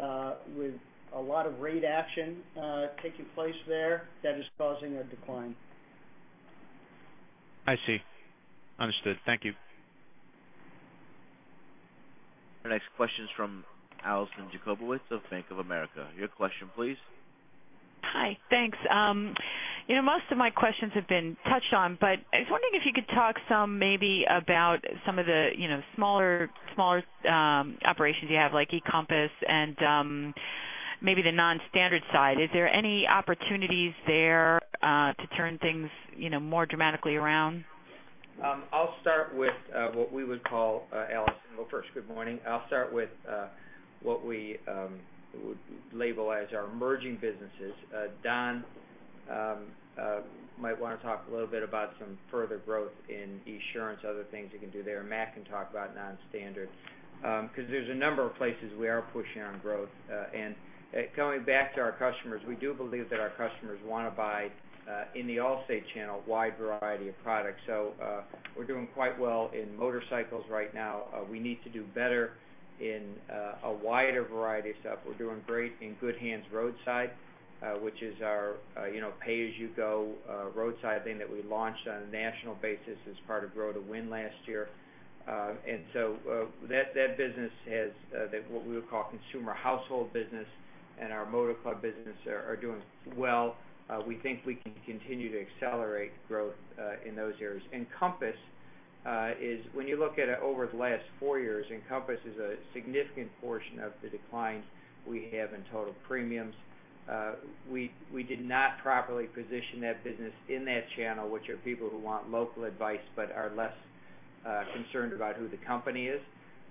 a lot of rate action taking place there that is causing a decline. I see. Understood. Thank you. Our next question is from Alison Jacobowitz of Bank of America. Your question, please. Hi. Thanks. Most of my questions have been touched on. I was wondering if you could talk some maybe about some of the smaller operations you have, like Encompass and maybe the non-standard side. Is there any opportunities there to turn things more dramatically around? Alissa, go first. Good morning. I'll start with what we would label as our emerging businesses. Don might want to talk a little bit about some further growth in Esurance, other things we can do there. Matt can talk about non-standard because there's a number of places we are pushing on growth. Going back to our customers, we do believe that our customers want to buy in the Allstate channel a wide variety of products. We're doing quite well in motorcycles right now. We need to do better in a wider variety of stuff. We're doing great in Good Hands Roadside, which is our pay-as-you-go roadside thing that we launched on a national basis as part of Grow to Win last year. That business has what we would call consumer household business and our motor club business are doing well. We think we can continue to accelerate growth in those areas. Encompass, when you look at it over the last 4 years, Encompass is a significant portion of the declines we have in total premiums. We did not properly position that business in that channel, which are people who want local advice but are less concerned about who the company is,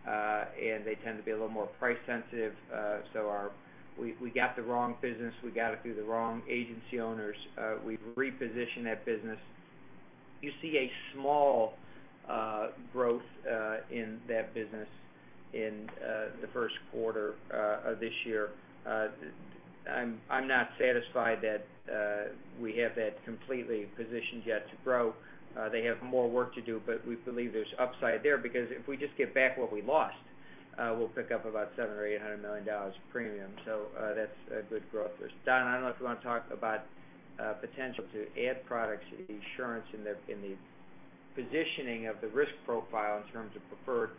and they tend to be a little more price sensitive. We got the wrong business. We got it through the wrong agency owners. We've repositioned that business. You see a small growth in that business in the first quarter of this year. I'm not satisfied that we have that completely positioned yet to grow. They have more work to do, but we believe there's upside there because if we just get back what we lost, we'll pick up about $700 million or $800 million premium. That's a good growth there. Don, I don't know if you want to talk about potential to add products to Esurance in the positioning of the risk profile in terms of preferred.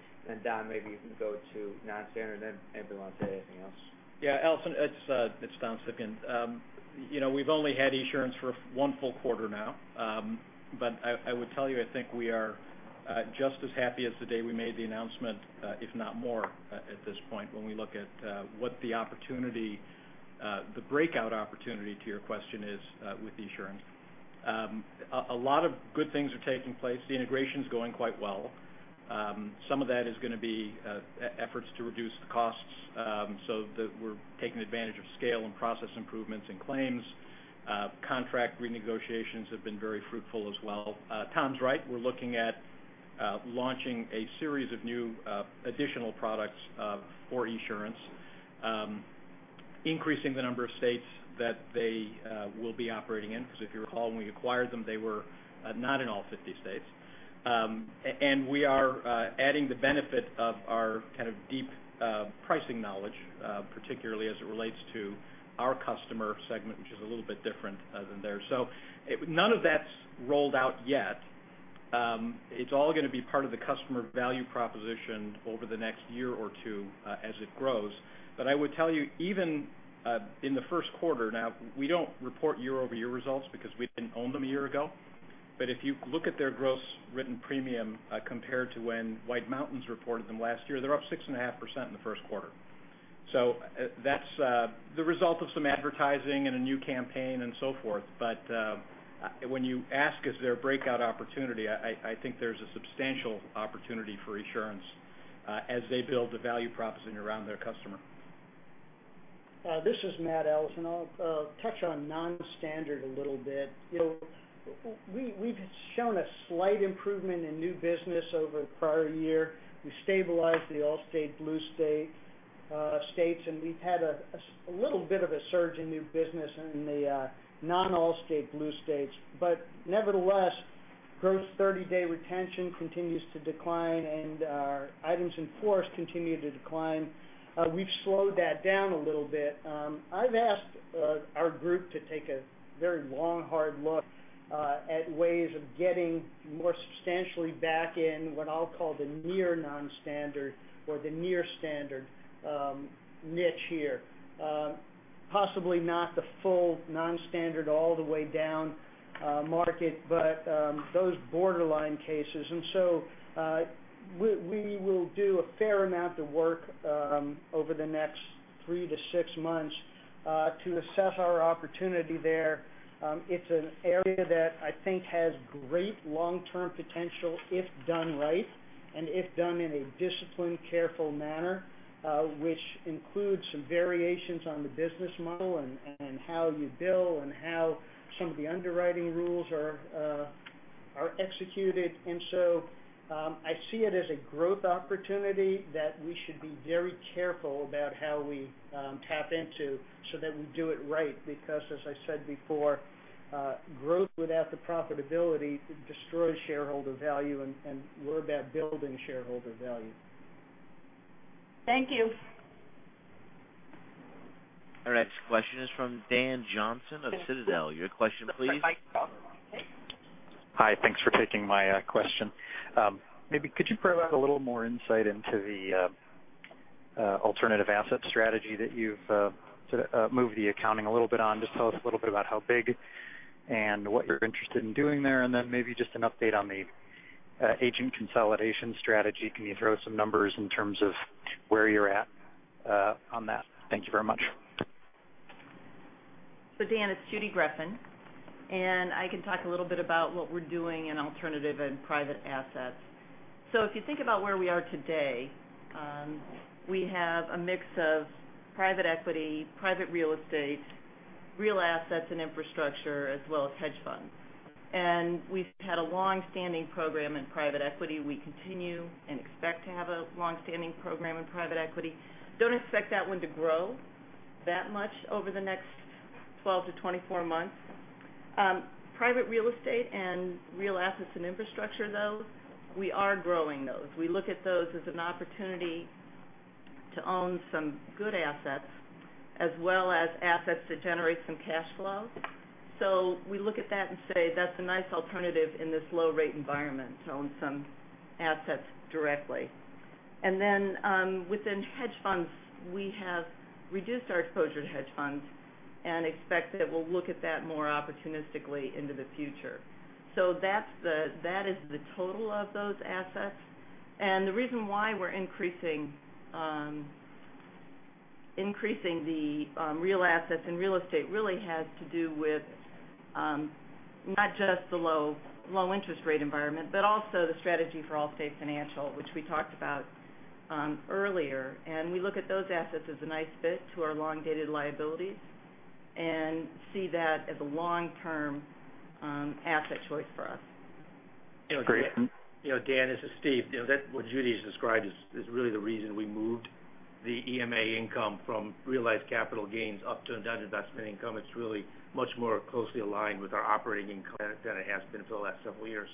Don, maybe you can go to non-standard, then anybody want to say anything else? Yeah, Alissa, it's Don Civgin. I would tell you, we've only had Esurance for one full quarter now. I think we are just as happy as the day we made the announcement, if not more at this point when we look at what the breakout opportunity to your question is with Esurance. A lot of good things are taking place. The integration's going quite well. Some of that is going to be efforts to reduce the costs so that we're taking advantage of scale and process improvements in claims. Contract renegotiations have been very fruitful as well. Tom's right. We're looking at launching a series of new additional products for Esurance. Increasing the number of states that they will be operating in because if you recall, when we acquired them, they were not in all 50 states. We are adding the benefit of our deep pricing knowledge particularly as it relates to our customer segment, which is a little bit different than theirs. None of that's rolled out yet. It's all going to be part of the customer value proposition over the next year or two as it grows. I would tell you, even in the first quarter, now we don't report year-over-year results because we didn't own them a year ago. If you look at their gross written premium compared to when White Mountains reported them last year, they're up 6.5% in the first quarter. That's the result of some advertising and a new campaign and so forth. When you ask is there a breakout opportunity, I think there's a substantial opportunity for Esurance as they build the value proposition around their customer. This is Matt, Alison, and I'll touch on non-standard a little bit. We've shown a slight improvement in new business over the prior year. We stabilized the Allstate Blue states, and we've had a little bit of a surge in new business in the non-Allstate Blue states. Nevertheless, gross 30-day retention continues to decline, and our policies in force continue to decline. We've slowed that down a little bit. I've asked our group to take a very long, hard look at ways of getting more substantially back in what I'll call the near non-standard or the near standard niche here. Possibly not the full non-standard all the way down market, but those borderline cases. We will do a fair amount of work over the next three to six months to assess our opportunity there. It's an area that I think has great long-term potential if done right and if done in a disciplined, careful manner which includes some variations on the business model and how you bill and how some of the underwriting rules are executed. I see it as a growth opportunity that we should be very careful about how we tap into so that we do it right because, as I said before, growth without the profitability destroys shareholder value, and we're about building shareholder value. Thank you. Our next question is from Dan Johnson of Citadel. Your question, please. Hi, thanks for taking my question. Maybe could you provide a little more insight into the alternative asset strategy that you've sort of moved the accounting a little bit on? Just tell us a little bit about how big and what you're interested in doing there, and then maybe just an update on the agent consolidation strategy. Can you throw some numbers in terms of where you're at on that? Thank you very much. Dan, it's Judy Greffin, and I can talk a little bit about what we're doing in alternative and private assets. If you think about where we are today, we have a mix of private equity, private real estate, real assets, and infrastructure, as well as hedge funds. We've had a long-standing program in private equity. We continue and expect to have a long-standing program in private equity. Don't expect that one to grow that much over the next 12 to 24 months. Private real estate and real assets and infrastructure, though, we are growing those. We look at those as an opportunity to own some good assets as well as assets that generate some cash flow. We look at that and say that's a nice alternative in this low rate environment to own some assets directly. Within hedge funds, we have reduced our exposure to hedge funds and expect that we'll look at that more opportunistically into the future. That is the total of those assets. The reason why we're increasing the real assets and real estate really has to do with not just the low interest rate environment, but also the strategy for Allstate Financial, which we talked about earlier. We look at those assets as a nice fit to our long-dated liabilities and see that as a long-term asset choice for us. Great. Dan, this is Steve. What Judy has described is really the reason we moved the EMA income from realized capital gains up to non-investment income. It's really much more closely aligned with our operating income than it has been for the last several years.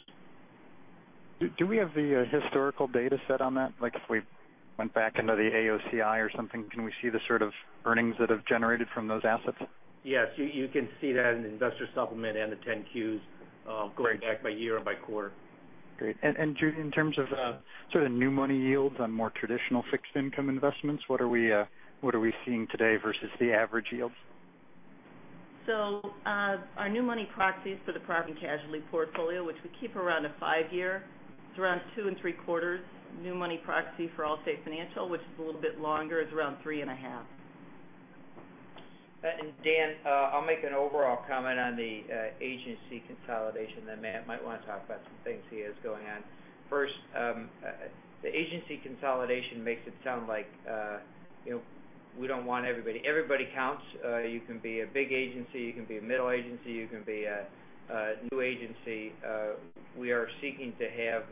Do we have the historical data set on that? Like if we went back into the AOCI or something, can we see the sort of earnings that have generated from those assets? Yes, you can see that in the investor supplement and the 10-Qs going back by year or by quarter. Great. Judy, in terms of sort of new money yields on more traditional fixed income investments, what are we seeing today versus the average yields? Our new money proxies for the property and casualty portfolio, which we keep around a five-year, is around two and three quarters. New money proxy for Allstate Financial, which is a little bit longer, is around three and a half. Dan, I'll make an overall comment on the agency consolidation, then Matt might want to talk about some things he has going on. First, the agency consolidation makes it sound like We don't want everybody. Everybody counts. You can be a big agency, you can be a middle agency, you can be a new agency. We are seeking to have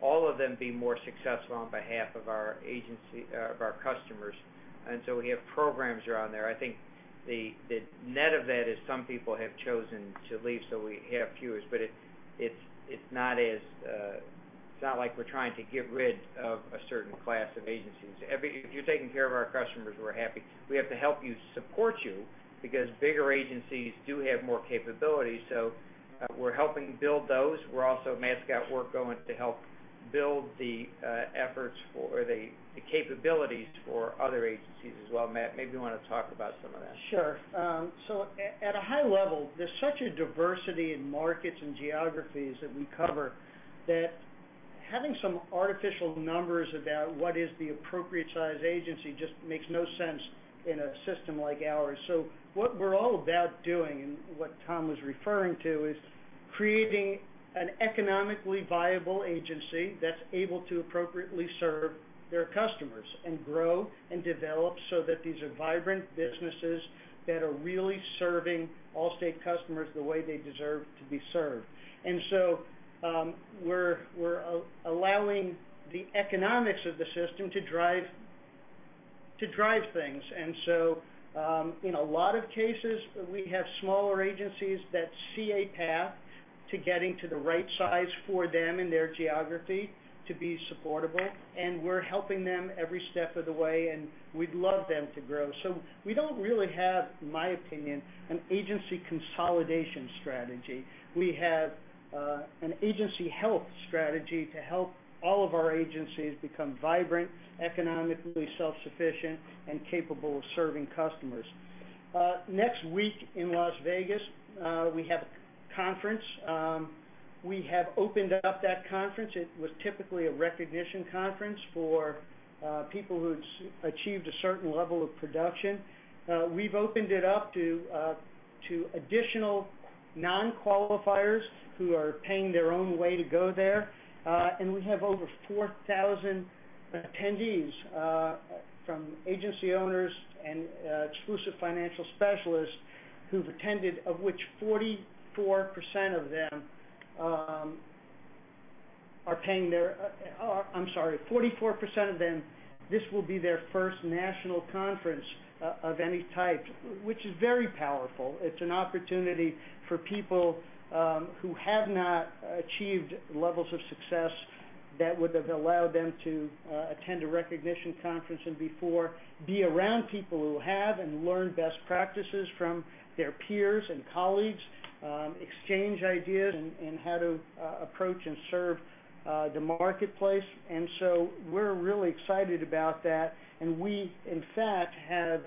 all of them be more successful on behalf of our customers. We have programs around there. I think the net of that is some people have chosen to leave, so we have fewer, but it's not like we're trying to get rid of a certain class of agencies. If you're taking care of our customers, we're happy. We have to help you, support you, because bigger agencies do have more capabilities, so we're helping build those. We're also, Matt's got work going to help build the efforts or the capabilities for other agencies as well. Matt, maybe you want to talk about some of that. Sure. At a high level, there's such a diversity in markets and geographies that we cover, that having some artificial numbers about what is the appropriate size agency just makes no sense in a system like ours. What we're all about doing, and what Tom was referring to, is creating an economically viable agency that's able to appropriately serve their customers and grow and develop so that these are vibrant businesses that are really serving Allstate customers the way they deserve to be served. We're allowing the economics of the system to drive things. In a lot of cases, we have smaller agencies that see a path to getting to the right size for them and their geography to be supportable, and we're helping them every step of the way, and we'd love them to grow. We don't really have, in my opinion, an agency consolidation strategy. We have an agency health strategy to help all of our agencies become vibrant, economically self-sufficient, and capable of serving customers. Next week in Las Vegas, we have a conference. We have opened up that conference. It was typically a recognition conference for people who've achieved a certain level of production. We've opened it up to additional non-qualifiers who are paying their own way to go there. We have over 4,000 attendees, from agency owners and exclusive financial specialists who've attended, of which 44% of them, this will be their first national conference of any type, which is very powerful. It's an opportunity for people who have not achieved levels of success that would have allowed them to attend a recognition conference before, be around people who have and learn best practices from their peers and colleagues, exchange ideas in how to approach and serve the marketplace. We're really excited about that, and we, in fact, have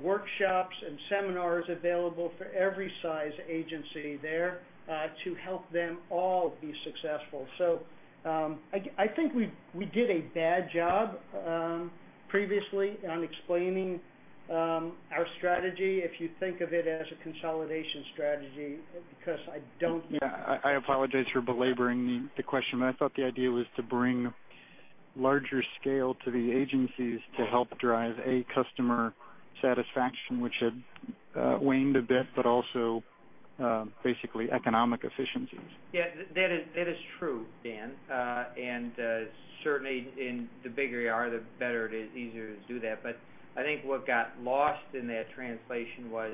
workshops and seminars available for every size agency there to help them all be successful. I think we did a bad job previously on explaining our strategy, if you think of it as a consolidation strategy because I don't. Yeah, I apologize for belaboring the question. I thought the idea was to bring larger scale to the agencies to help drive, A. customer satisfaction, which had waned a bit, but also, basically economic efficiencies. Yeah, that is true, Dan. Certainly the bigger you are, the better it is, easier to do that. I think what got lost in that translation was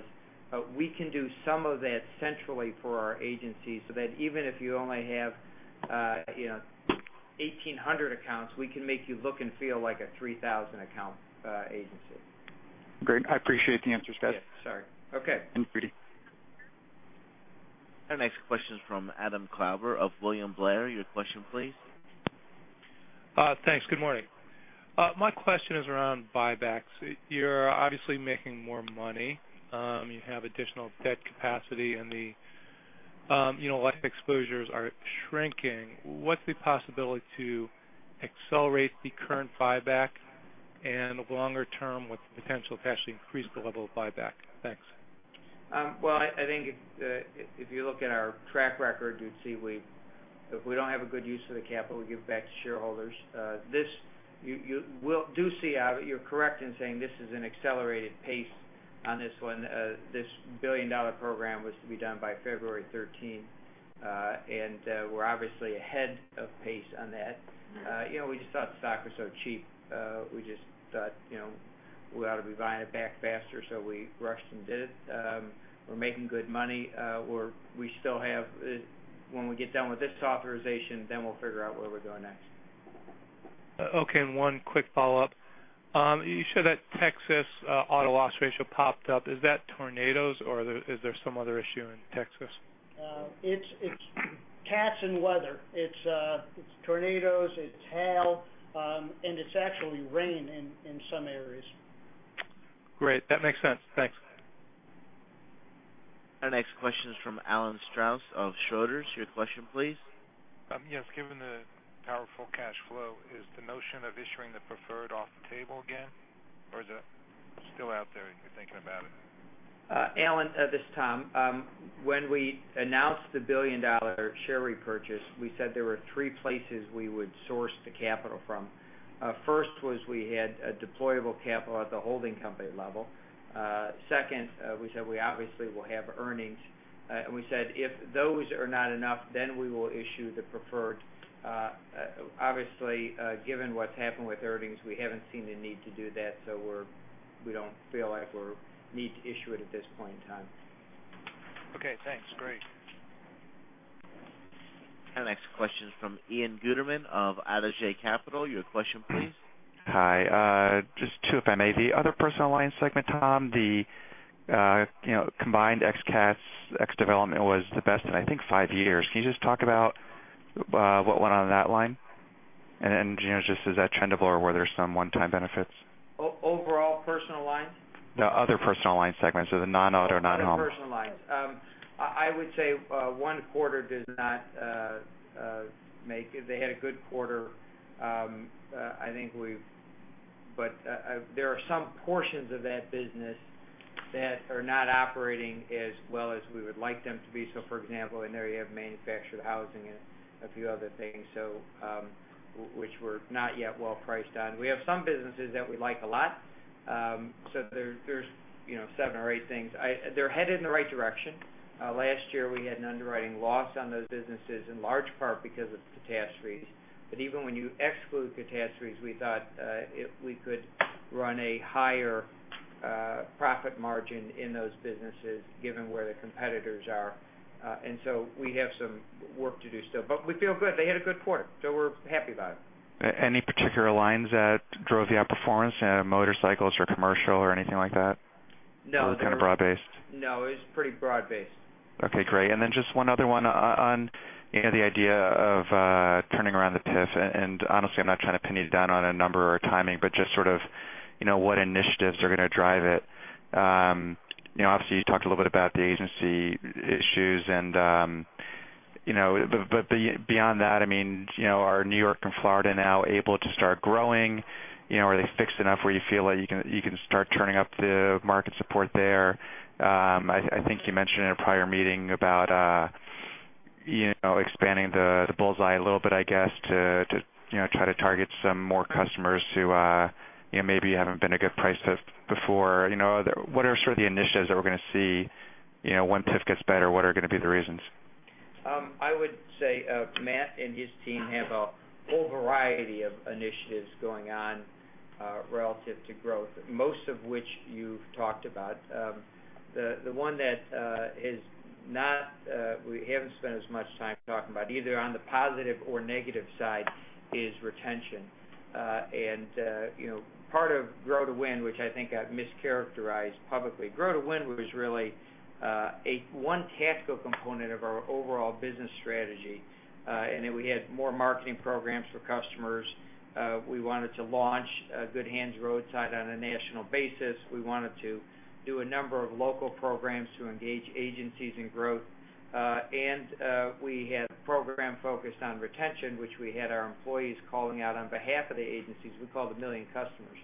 we can do some of that centrally for our agencies, so that even if you only have 1,800 accounts, we can make you look and feel like a 3,000 account agency. Great. I appreciate the answers, guys. Yeah, sorry. Okay. Our next question is from Adam Klauber of William Blair. Your question, please. Thanks. Good morning. My question is around buybacks. You're obviously making more money. You have additional debt capacity, and the life exposures are shrinking. What's the possibility to accelerate the current buyback and longer term with potential to actually increase the level of buyback? Thanks. Well, I think if you look at our track record, you'd see if we don't have a good use of the capital, we give back to shareholders. You're correct in saying this is an accelerated pace on this one. This billion-dollar program was to be done by February 13. We're obviously ahead of pace on that. We just thought the stock was so cheap. We just thought we ought to be buying it back faster, so we rushed and did it. We're making good money. When we get done with this authorization, then we'll figure out where we're going next. Okay, one quick follow-up. You showed that Texas auto loss ratio popped up. Is that tornadoes, or is there some other issue in Texas? It's cats and weather. It's tornadoes, it's hail, and it's actually rain in some areas. Great. That makes sense. Thanks. Our next question is from Alan Strauss of Schroders. Your question, please. Yes. Given the powerful cash flow, is the notion of issuing the preferred off the table again? Is that still out there if you're thinking about it. Alan, this is Tom. When we announced the billion-dollar share repurchase, we said there were three places we would source the capital from. First was we had a deployable capital at the holding company level. Second, we said we obviously will have earnings. We said, if those are not enough, then we will issue the preferred. Obviously, given what's happened with earnings, we haven't seen the need to do that. We don't feel like we need to issue it at this point in time. Okay, thanks. Great. Our next question is from Ian Gutterman of Adage Capital. Your question, please. Hi. Just two, if I may. The other personal line segment, Tom, the combined ex cats, ex development was the best in, I think, five years. Can you just talk about what went on in that line? Just as that trend of or where there's some one-time benefits. Overall personal lines? No, other personal line segments. The non-auto, non-home. Other personal lines. I would say one quarter does not make it. They had a good quarter. There are some portions of that business that are not operating as well as we would like them to be. For example, in there you have manufactured housing and a few other things, which we're not yet well priced on. We have some businesses that we like a lot. There's seven or eight things. They're headed in the right direction. Last year, we had an underwriting loss on those businesses, in large part because of catastrophes. Even when you exclude catastrophes, we thought we could run a higher profit margin in those businesses given where the competitors are. We have some work to do still, but we feel good. They had a good quarter, we're happy about it. Any particular lines that drove the outperformance, motorcycles or commercial or anything like that? No. kind of broad-based? No, it was pretty broad-based. Okay, great. Then just one other one on the idea of turning around the PIF. Honestly, I'm not trying to pin you down on a number or timing, but just sort of what initiatives are going to drive it. Obviously, you talked a little bit about the agency issues but beyond that, are New York and Florida now able to start growing? Are they fixed enough where you feel like you can start turning up the market support there? I think you mentioned in a prior meeting about expanding the bullseye a little bit, I guess, to try to target some more customers who maybe haven't been a good price fit before. What are sort of the initiatives that we're going to see when PIF gets better? What are going to be the reasons? I would say Matt and his team have a whole variety of initiatives going on relative to growth, most of which you've talked about. The one that we haven't spent as much time talking about, either on the positive or negative side, is retention. Part of Grow to Win, which I think I've mischaracterized publicly. Grow to Win was really a one tactical component of our overall business strategy. Then we had more marketing programs for customers. We wanted to launch Good Hands Roadside on a national basis. We wanted to do a number of local programs to engage agencies in growth. We had a program focused on retention, which we had our employees calling out on behalf of the agencies. We called it Million Customers.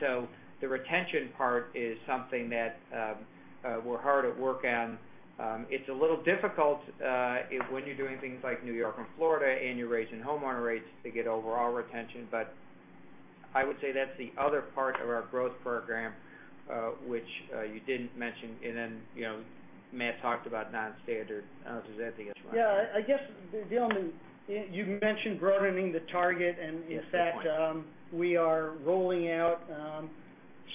So the retention part is something that we're hard at work on. It's a little difficult when you're doing things like New York and Florida and you're raising homeowner rates to get overall retention. I would say that's the other part of our growth program, which you didn't mention. Matt talked about non-standard. Does that answer your question? Yeah, I guess the only, you mentioned broadening the target and in fact. Good point. We are rolling out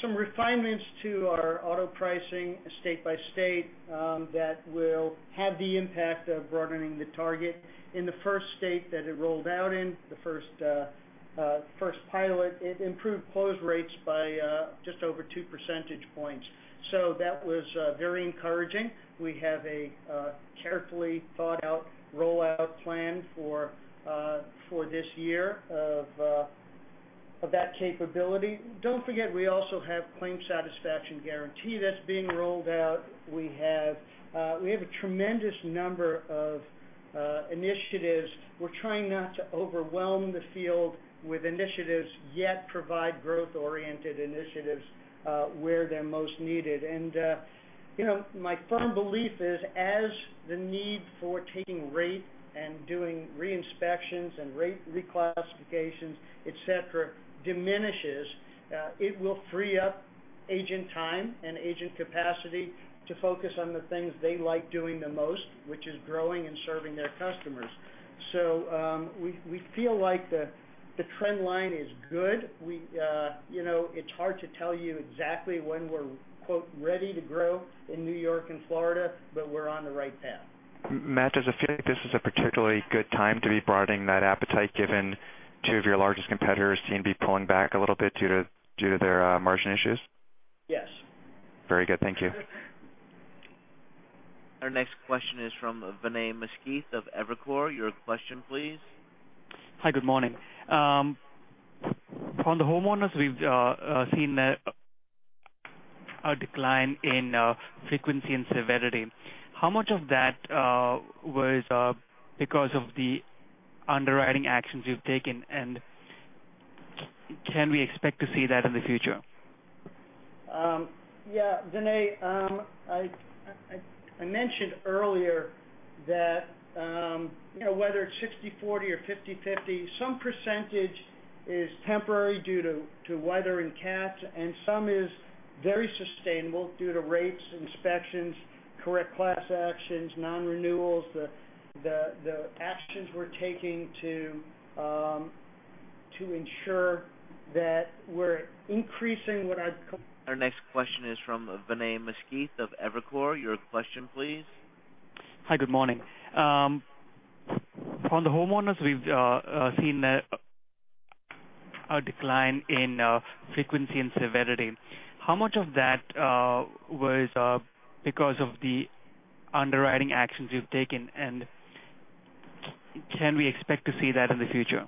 some refinements to our auto pricing state by state that will have the impact of broadening the target. In the first state that it rolled out in, the first pilot, it improved close rates by just over two percentage points. That was very encouraging. We have a carefully thought-out rollout plan for this year of that capability. Don't forget, we also have claim satisfaction guarantee that's being rolled out. We have a tremendous number of initiatives. We're trying not to overwhelm the field with initiatives, yet provide growth-oriented initiatives where they're most needed. My firm belief is as the need for taking rate and doing re-inspections and rate reclassifications, et cetera, diminishes, it will free up agent time and agent capacity to focus on the things they like doing the most, which is growing and serving their customers. We feel like the trend line is good. It's hard to tell you exactly when we're "ready to grow" in New York and Florida, but we're on the right path. Matt, does it feel like this is a particularly good time to be broadening that appetite given two of your largest competitors seem to be pulling back a little bit due to their margin issues? Yes. Very good. Thank you. Our next question is from Vinay Misquith of Evercore. Your question, please. Hi, good morning. From the homeowners, we've seen that a decline in frequency and severity. How much of that was because of the underwriting actions you've taken, and can we expect to see that in the future? Vinay, I mentioned earlier that whether it's 60/40 or 50/50, some percentage is temporary due to weather and cats, and some is very sustainable due to rates, inspections, correct class actions, non-renewals, the actions we're taking to ensure that we're increasing. Our next question is from Vinay Misquith of Evercore. Your question, please. Hi, good morning. On the homeowners, we've seen a decline in frequency and severity. How much of that was because of the underwriting actions you've taken, and can we expect to see that in the future?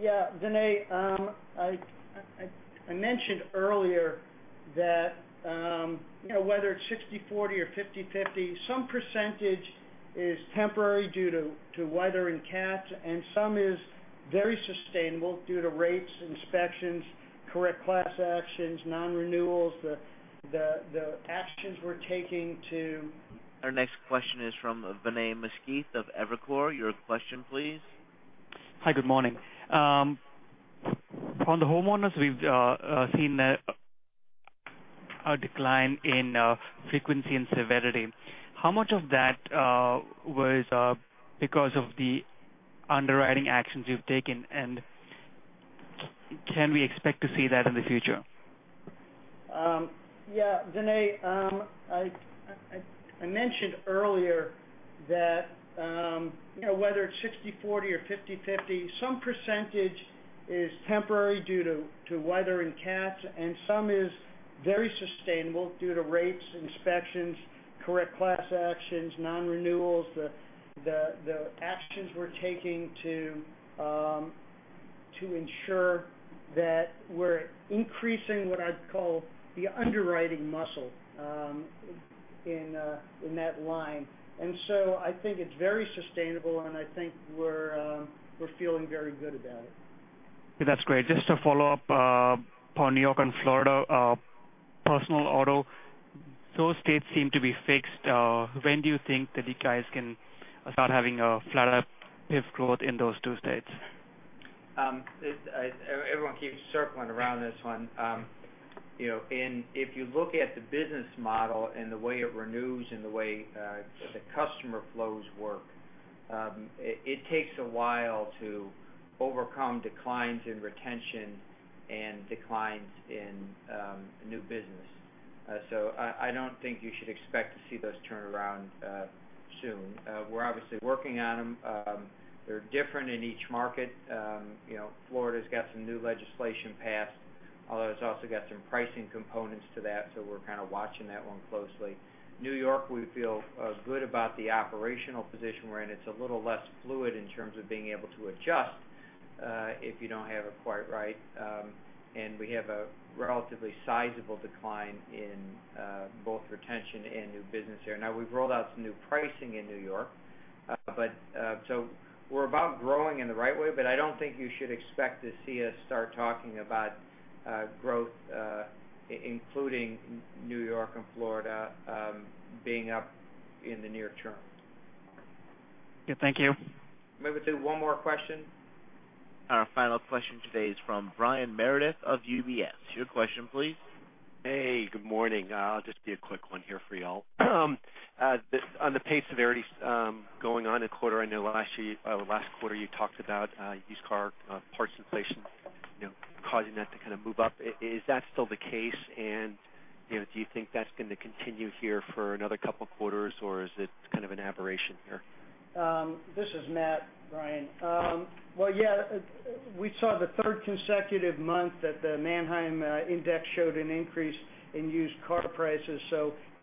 Yeah, Vinay, I mentioned earlier that whether it's 60/40 or 50/50, some percentage is temporary due to weather and cats, and some is very sustainable due to rates, inspections, correct class actions, non-renewals, the actions we're taking to- Our next question is from Vinay Misquith of Evercore. Your question, please. Hi, good morning. On the homeowners, we've seen a decline in frequency and severity. How much of that was because of the underwriting actions you've taken, and can we expect to see that in the future? Yeah, Vinay, I mentioned earlier that whether it's 60/40 or 50/50, some percentage is temporary due to weather and cats, and some is very sustainable due to rates, inspections, correct class actions, non-renewals, the actions we're taking to ensure that we're increasing what I'd call the underwriting muscle in that line. I think it's very sustainable, and I think we're feeling very good about it. That's great. Just to follow up on New York and Florida personal auto, those states seem to be fixed. When do you think that you guys can start having a flatter PIF growth in those two states? Everyone keeps circling around this one. If you look at the business model and the way it renews and the way the customer flows work, it takes a while to overcome declines in retention and declines in new business. I don't think you should expect to see those turn around soon. We're obviously working on them. They're different in each market. Florida's got some new legislation passed, although it's also got some pricing components to that, so we're kind of watching that one closely. New York, we feel good about the operational position we're in. It's a little less fluid in terms of being able to adjust if you don't have it quite right. We have a relatively sizable decline in both retention and new business there. Now, we've rolled out some new pricing in New York. We're about growing in the right way, but I don't think you should expect to see us start talking about growth, including New York and Florida being up in the near term. Yeah, thank you. Maybe we will do one more question. Our final question today is from Brian Meredith of UBS. Your question, please. Hey, good morning. It will just be a quick one here for you all. On the PD severities going on in quarter, I know last quarter you talked about used car parts inflation causing that to kind of move up. Is that still the case, and do you think that's going to continue here for another couple of quarters, or is it kind of an aberration here? This is Matt, Brian. Well, yeah, we saw the third consecutive month that the Manheim Index showed an increase in used car prices.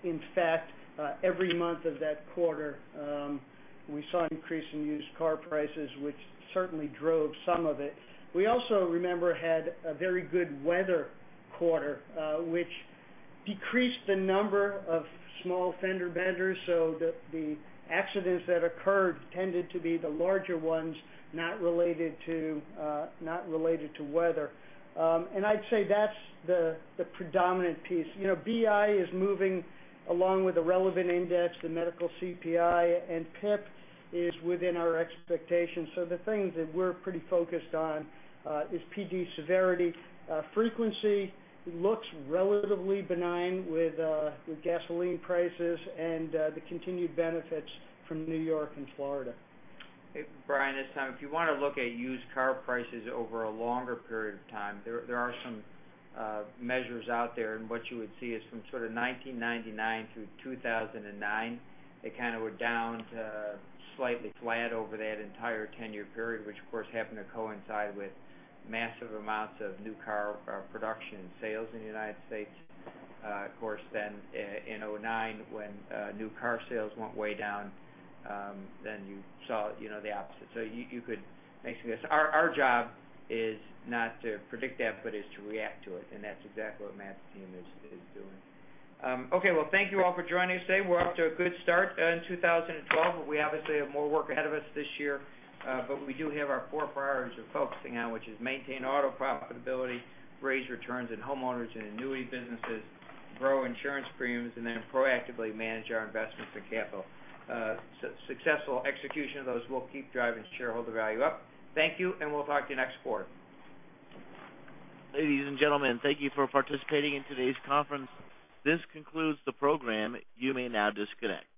In fact, every month of that quarter, we saw an increase in used car prices, which certainly drove some of it. We also, remember, had a very good weather quarter, which decreased the number of small fender benders. The accidents that occurred tended to be the larger ones not related to weather. I'd say that's the predominant piece. BI is moving along with the relevant index, the medical CPI, and PIP is within our expectations. The things that we're pretty focused on is PD severity. Frequency looks relatively benign with gasoline prices and the continued benefits from New York and Florida. Hey, Brian, this is Tom. If you want to look at used car prices over a longer period of time, there are some measures out there, and what you would see is from sort of 1999 through 2009, they kind of were down to slightly flat over that entire 10-year period, which of course, happened to coincide with massive amounts of new car production and sales in the U.S. In 2009 when new car sales went way down, then you saw the opposite. Our job is not to predict that, but it's to react to it, and that's exactly what Matt's team is doing. Thank you all for joining us today. We're off to a good start in 2012, we obviously have more work ahead of us this year. We do have our four priorities we're focusing on, which is maintain auto profitability, raise returns in homeowners and annuity businesses, grow insurance premiums, and then proactively manage our investments in capital. Successful execution of those will keep driving shareholder value up. Thank you, and we'll talk to you next quarter. Ladies and gentlemen, thank you for participating in today's conference. This concludes the program. You may now disconnect.